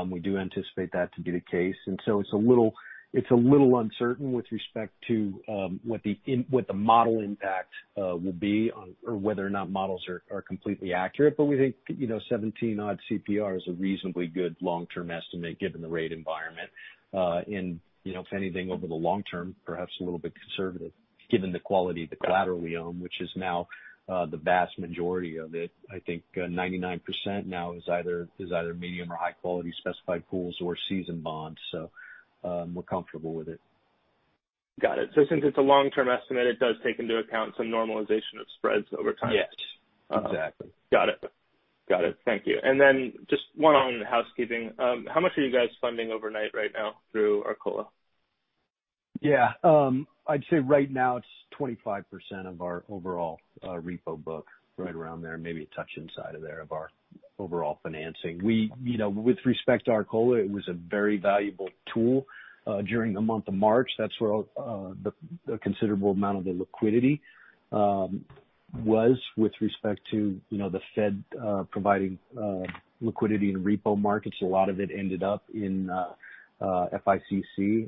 We do anticipate that to be the case. And so it's a little uncertain with respect to what the model impact will be or whether or not models are completely accurate. But we think 17-odd CPR is a reasonably good long-term estimate given the rate environment. And if anything, over the long term, perhaps a little bit conservative given the quality of the collateral we own, which is now the vast majority of it. I think 99% now is either medium or high-quality specified pools or seasoned bonds. So we're comfortable with it. Got it. So since it's a long-term estimate, it does take into account some normalization of spreads over time. Yes. Exactly. Got it. Got it. Thank you. And then just one on housekeeping. How much are you guys funding overnight right now through Arcola? Yeah. I'd say right now it's 25% of our overall repo book, right around there, maybe a touch inside of there of our overall financing. With respect to Arcola, it was a very valuable tool during the month of March. That's where a considerable amount of the liquidity was with respect to the Fed providing liquidity in repo markets. A lot of it ended up in FICC.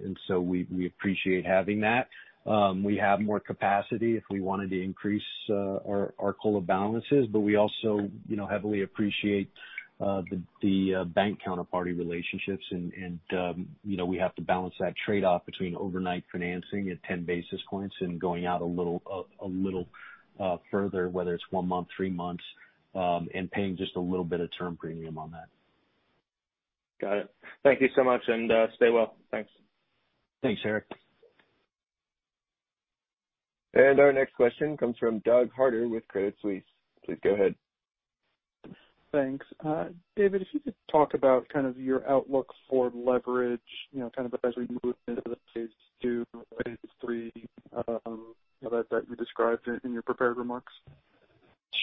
And so we appreciate having that. We have more capacity if we wanted to increase our Arcola balances. But we also heavily appreciate the bank counterparty relationships. And we have to balance that trade-off between overnight financing at 10 basis points and going out a little further, whether it's one month, three months, and paying just a little bit of term premium on that. Got it. Thank you so much and stay well. Thanks. Thanks, Eric. And our next question comes from Doug Harter with Credit Suisse. Please go ahead. Thanks. David, if you could talk about kind of your outlook for leverage kind of as we move into the phase two or phase three that you described in your prepared remarks.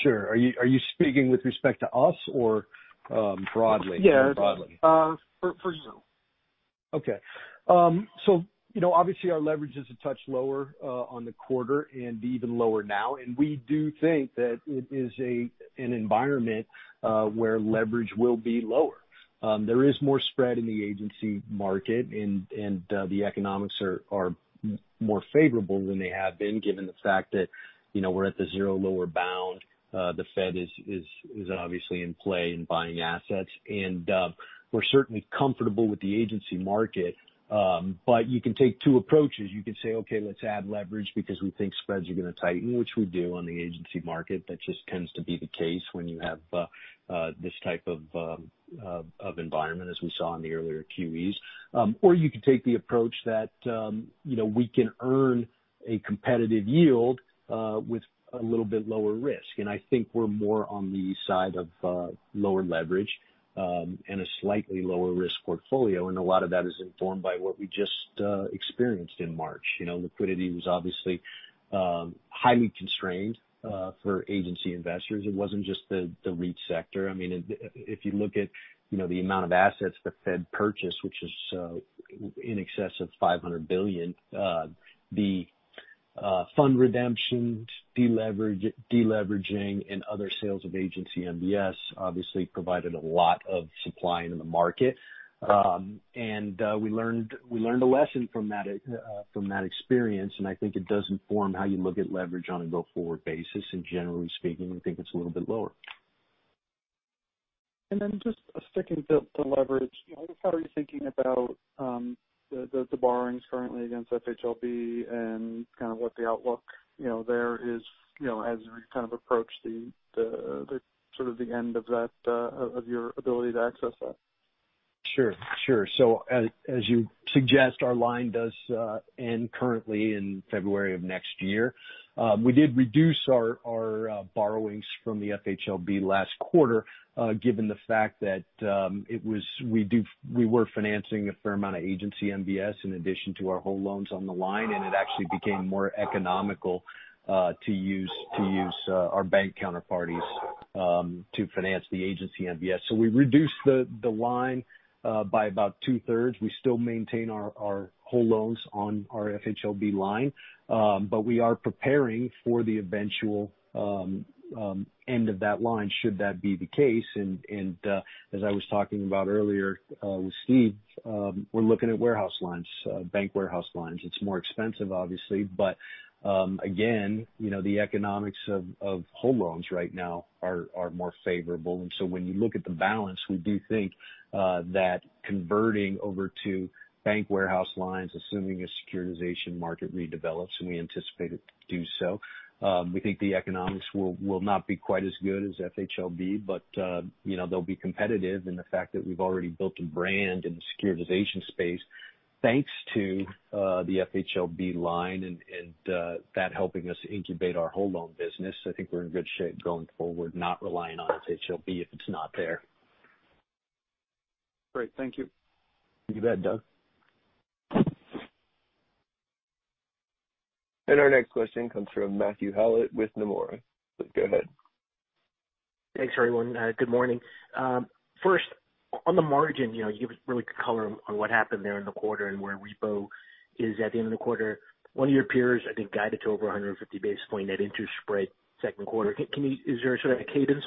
Sure. Are you speaking with respect to us or broadly? Yeah. For you. Okay. So obviously, our leverage is a touch lower on the quarter and even lower now. And we do think that it is an environment where leverage will be lower. There is more spread in the agency market, and the economics are more favorable than they have been given the fact that we're at the zero lower bound. The Fed is obviously in play in buying assets. And we're certainly comfortable with the agency market. But you can take two approaches. You can say, "Okay, let's add leverage because we think spreads are going to tighten," which we do on the agency market. That just tends to be the case when you have this type of environment, as we saw in the earlier QEs. Or you could take the approach that we can earn a competitive yield with a little bit lower risk. I think we're more on the side of lower leverage and a slightly lower risk portfolio. And a lot of that is informed by what we just experienced in March. Liquidity was obviously highly constrained for agency investors. It wasn't just the REIT sector. I mean, if you look at the amount of assets the Fed purchased, which is in excess of $500 billion, the fund redemptions, deleveraging, and other sales of agency MBS obviously provided a lot of supply into the market. And we learned a lesson from that experience. And I think it does inform how you look at leverage on a go-forward basis. And generally speaking, we think it's a little bit lower. Then just sticking to leverage, how are you thinking about the borrowings currently against FHLB and kind of what the outlook there is as we kind of approach sort of the end of your ability to access that? Sure. Sure. So as you suggest, our line does end currently in February of next year. We did reduce our borrowings from the FHLB last quarter given the fact that we were financing a fair amount of agency MBS in addition to our whole loans on the line. And it actually became more economical to use our bank counterparties to finance the agency MBS. So we reduced the line by about two-thirds. We still maintain our whole loans on our FHLB line. But we are preparing for the eventual end of that line should that be the case. And as I was talking about earlier with Steve, we're looking at warehouse lines, bank warehouse lines. It's more expensive, obviously. But again, the economics of whole loans right now are more favorable. And so, when you look at the balance, we do think that converting over to bank warehouse lines, assuming a securitization market redevelops, and we anticipate it to do so, we think the economics will not be quite as good as FHLB, but they'll be competitive in the fact that we've already built a brand in the securitization space thanks to the FHLB line and that helping us incubate our whole loan business. I think we're in good shape going forward, not relying on FHLB if it's not there. Great. Thank you. You bet, Doug. Our next question comes from Matthew Howlett with Nomura. Please go ahead. Thanks, everyone. Good morning. First, on the margin, you gave a really good color on what happened there in the quarter and where repo is at the end of the quarter. One of your peers, I think, guided to over 150 basis points net interest spread second quarter. Is there sort of a cadence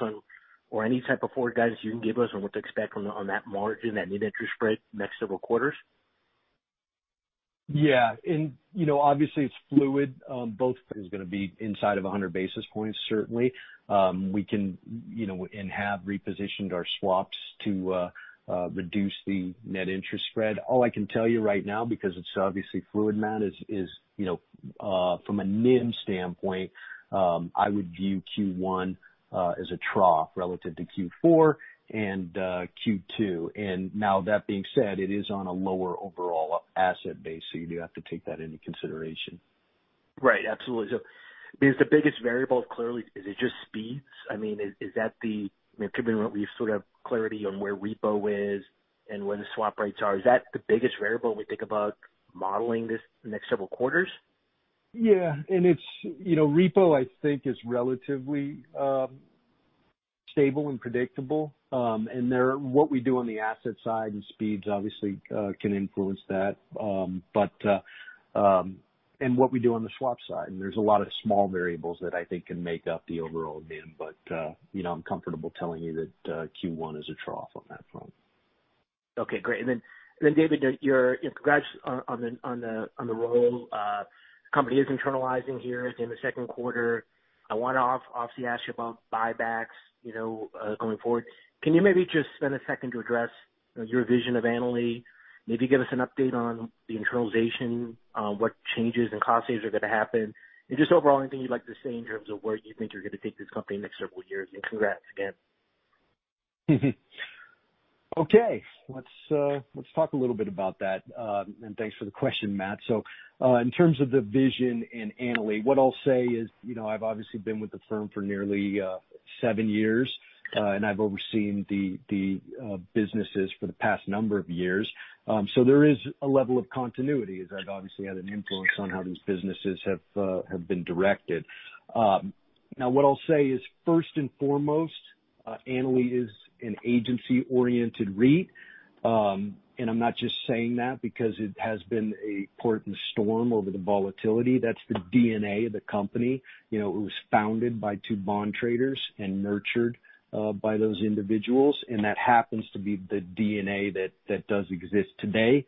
or any type of forward guidance you can give us on what to expect on that margin, that net interest spread next several quarters? Yeah, and obviously, it's fluid. Both is going to be inside of 100 basis points, certainly. We can and have repositioned our swaps to reduce the net interest spread. All I can tell you right now, because it's obviously fluid, Matt, is from a NIM standpoint, I would view Q1 as a trough relative to Q4 and Q2, and now, that being said, it is on a lower overall asset base. So you do have to take that into consideration. Right. Absolutely. So, I mean, is the biggest variable clearly is it just speeds? I mean, is that, given what we've sort of got clarity on where repo is and where the swap rates are, the biggest variable we think about modeling this next several quarters? Yeah. And repo, I think, is relatively stable and predictable. And what we do on the asset side and speeds obviously can influence that, and what we do on the swap side. And there's a lot of small variables that I think can make up the overall NIM. But I'm comfortable telling you that Q1 is a trough on that front. Okay. Great. And then, David, congrats on the role. The company is internalizing here at the end of second quarter. I wanted to obviously ask you about buybacks going forward. Can you maybe just spend a second to address your vision of Annaly? Maybe give us an update on the internalization, what changes and cost savings are going to happen, and just overall, anything you'd like to say in terms of where you think you're going to take this company in the next several years. And congrats again. Okay. Let's talk a little bit about that and thanks for the question, Matt. In terms of the vision in Annaly, what I'll say is I've obviously been with the firm for nearly seven years, and I've overseen the businesses for the past number of years. There is a level of continuity, as I've obviously had an influence on how these businesses have been directed. Now, what I'll say is, first and foremost, Annaly is an agency-oriented REIT and I'm not just saying that because it has been a port in a storm over the volatility. That's the DNA of the company. It was founded by two bond traders and nurtured by those individuals and that happens to be the DNA that does exist today,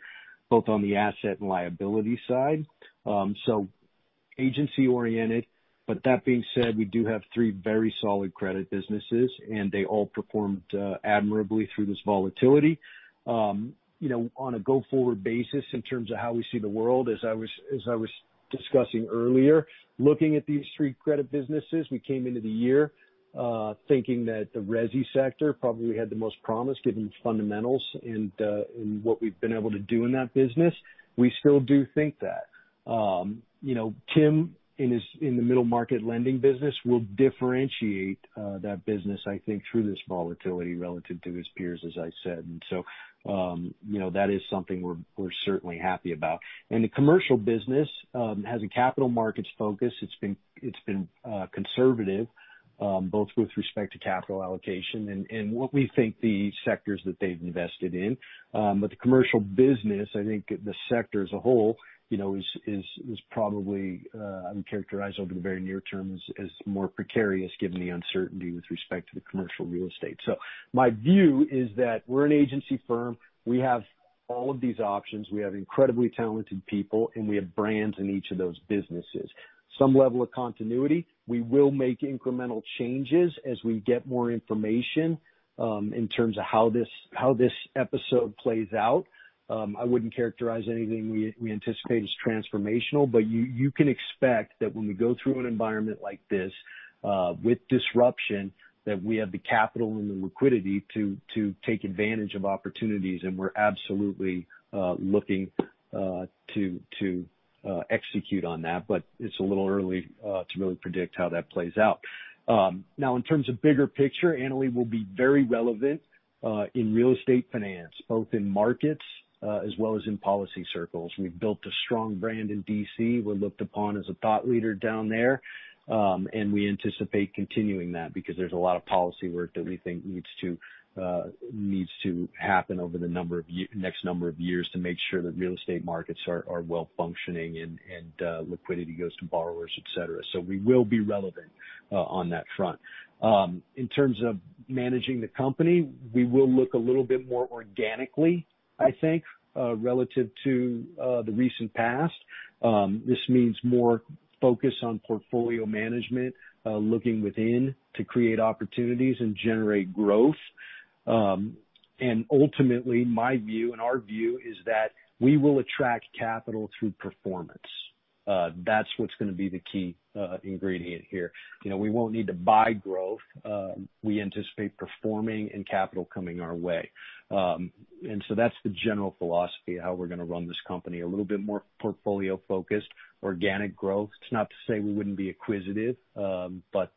both on the asset and liability side. Agency-oriented. But that being said, we do have three very solid credit businesses, and they all performed admirably through this volatility. On a go-forward basis, in terms of how we see the world, as I was discussing earlier, looking at these three credit businesses, we came into the year thinking that the resi sector probably had the most promise given the fundamentals and what we've been able to do in that business. We still do think that. Tim, in the middle market lending business, will differentiate that business, I think, through this volatility relative to his peers, as I said. And so that is something we're certainly happy about. And the commercial business has a capital markets focus. It's been conservative, both with respect to capital allocation and what we think the sectors that they've invested in. But the commercial business, I think the sector as a whole is probably characterized over the very near term as more precarious given the uncertainty with respect to the commercial real estate. So my view is that we're an agency firm. We have all of these options. We have incredibly talented people, and we have brands in each of those businesses. Some level of continuity. We will make incremental changes as we get more information in terms of how this episode plays out. I wouldn't characterize anything we anticipate as transformational, but you can expect that when we go through an environment like this with disruption, that we have the capital and the liquidity to take advantage of opportunities. And we're absolutely looking to execute on that. But it's a little early to really predict how that plays out. Now, in terms of bigger picture, Annaly will be very relevant in real estate finance, both in markets as well as in policy circles. We've built a strong brand in D.C.. We're looked upon as a thought leader down there, and we anticipate continuing that because there's a lot of policy work that we think needs to happen over the next number of years to make sure that real estate markets are well functioning and liquidity goes to borrowers, etc., so we will be relevant on that front. In terms of managing the company, we will look a little bit more organically, I think, relative to the recent past. This means more focus on portfolio management, looking within to create opportunities and generate growth, and ultimately, my view and our view is that we will attract capital through performance. That's what's going to be the key ingredient here. We won't need to buy growth. We anticipate performing and capital coming our way. And so that's the general philosophy of how we're going to run this company: a little bit more portfolio-focused, organic growth. It's not to say we wouldn't be acquisitive, but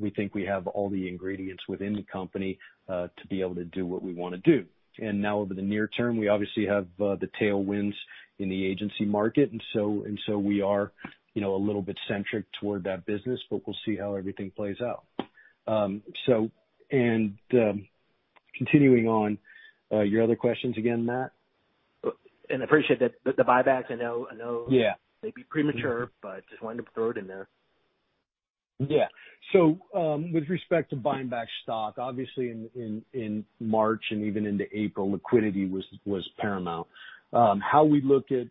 we think we have all the ingredients within the company to be able to do what we want to do. And now, over the near term, we obviously have the tailwinds in the agency market. And so we are a little bit centric toward that business, but we'll see how everything plays out. And continuing on, your other questions again, Matt? I appreciate the buybacks. I know they'd be premature, but just wanted to throw it in there. Yeah. So with respect to buying back stock, obviously, in March and even into April, liquidity was paramount. How we look at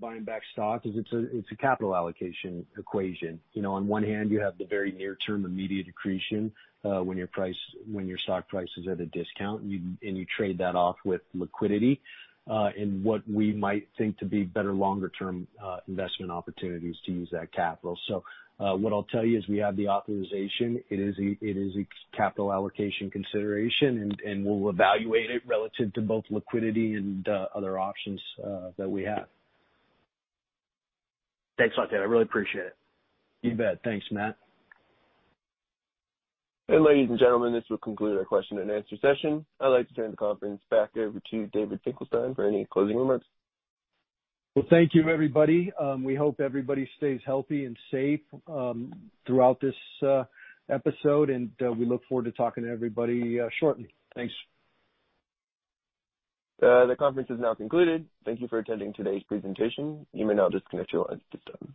buying back stock is it's a capital allocation equation. On one hand, you have the very near-term immediate accretion when your stock price is at a discount, and you trade that off with liquidity and what we might think to be better longer-term investment opportunities to use that capital. So what I'll tell you is we have the authorization. It is a capital allocation consideration, and we'll evaluate it relative to both liquidity and other options that we have. Thanks a lot, David. I really appreciate it. You bet. Thanks, Matt. Ladies and gentlemen, this will conclude our question-and-answer session. I'd like to turn the conference back over to David Finkelstein for any closing remarks. Thank you, everybody. We hope everybody stays healthy and safe throughout this episode, and we look forward to talking to everybody shortly. Thanks. The conference is now concluded. Thank you for attending today's presentation. You may now disconnect your lines at this time.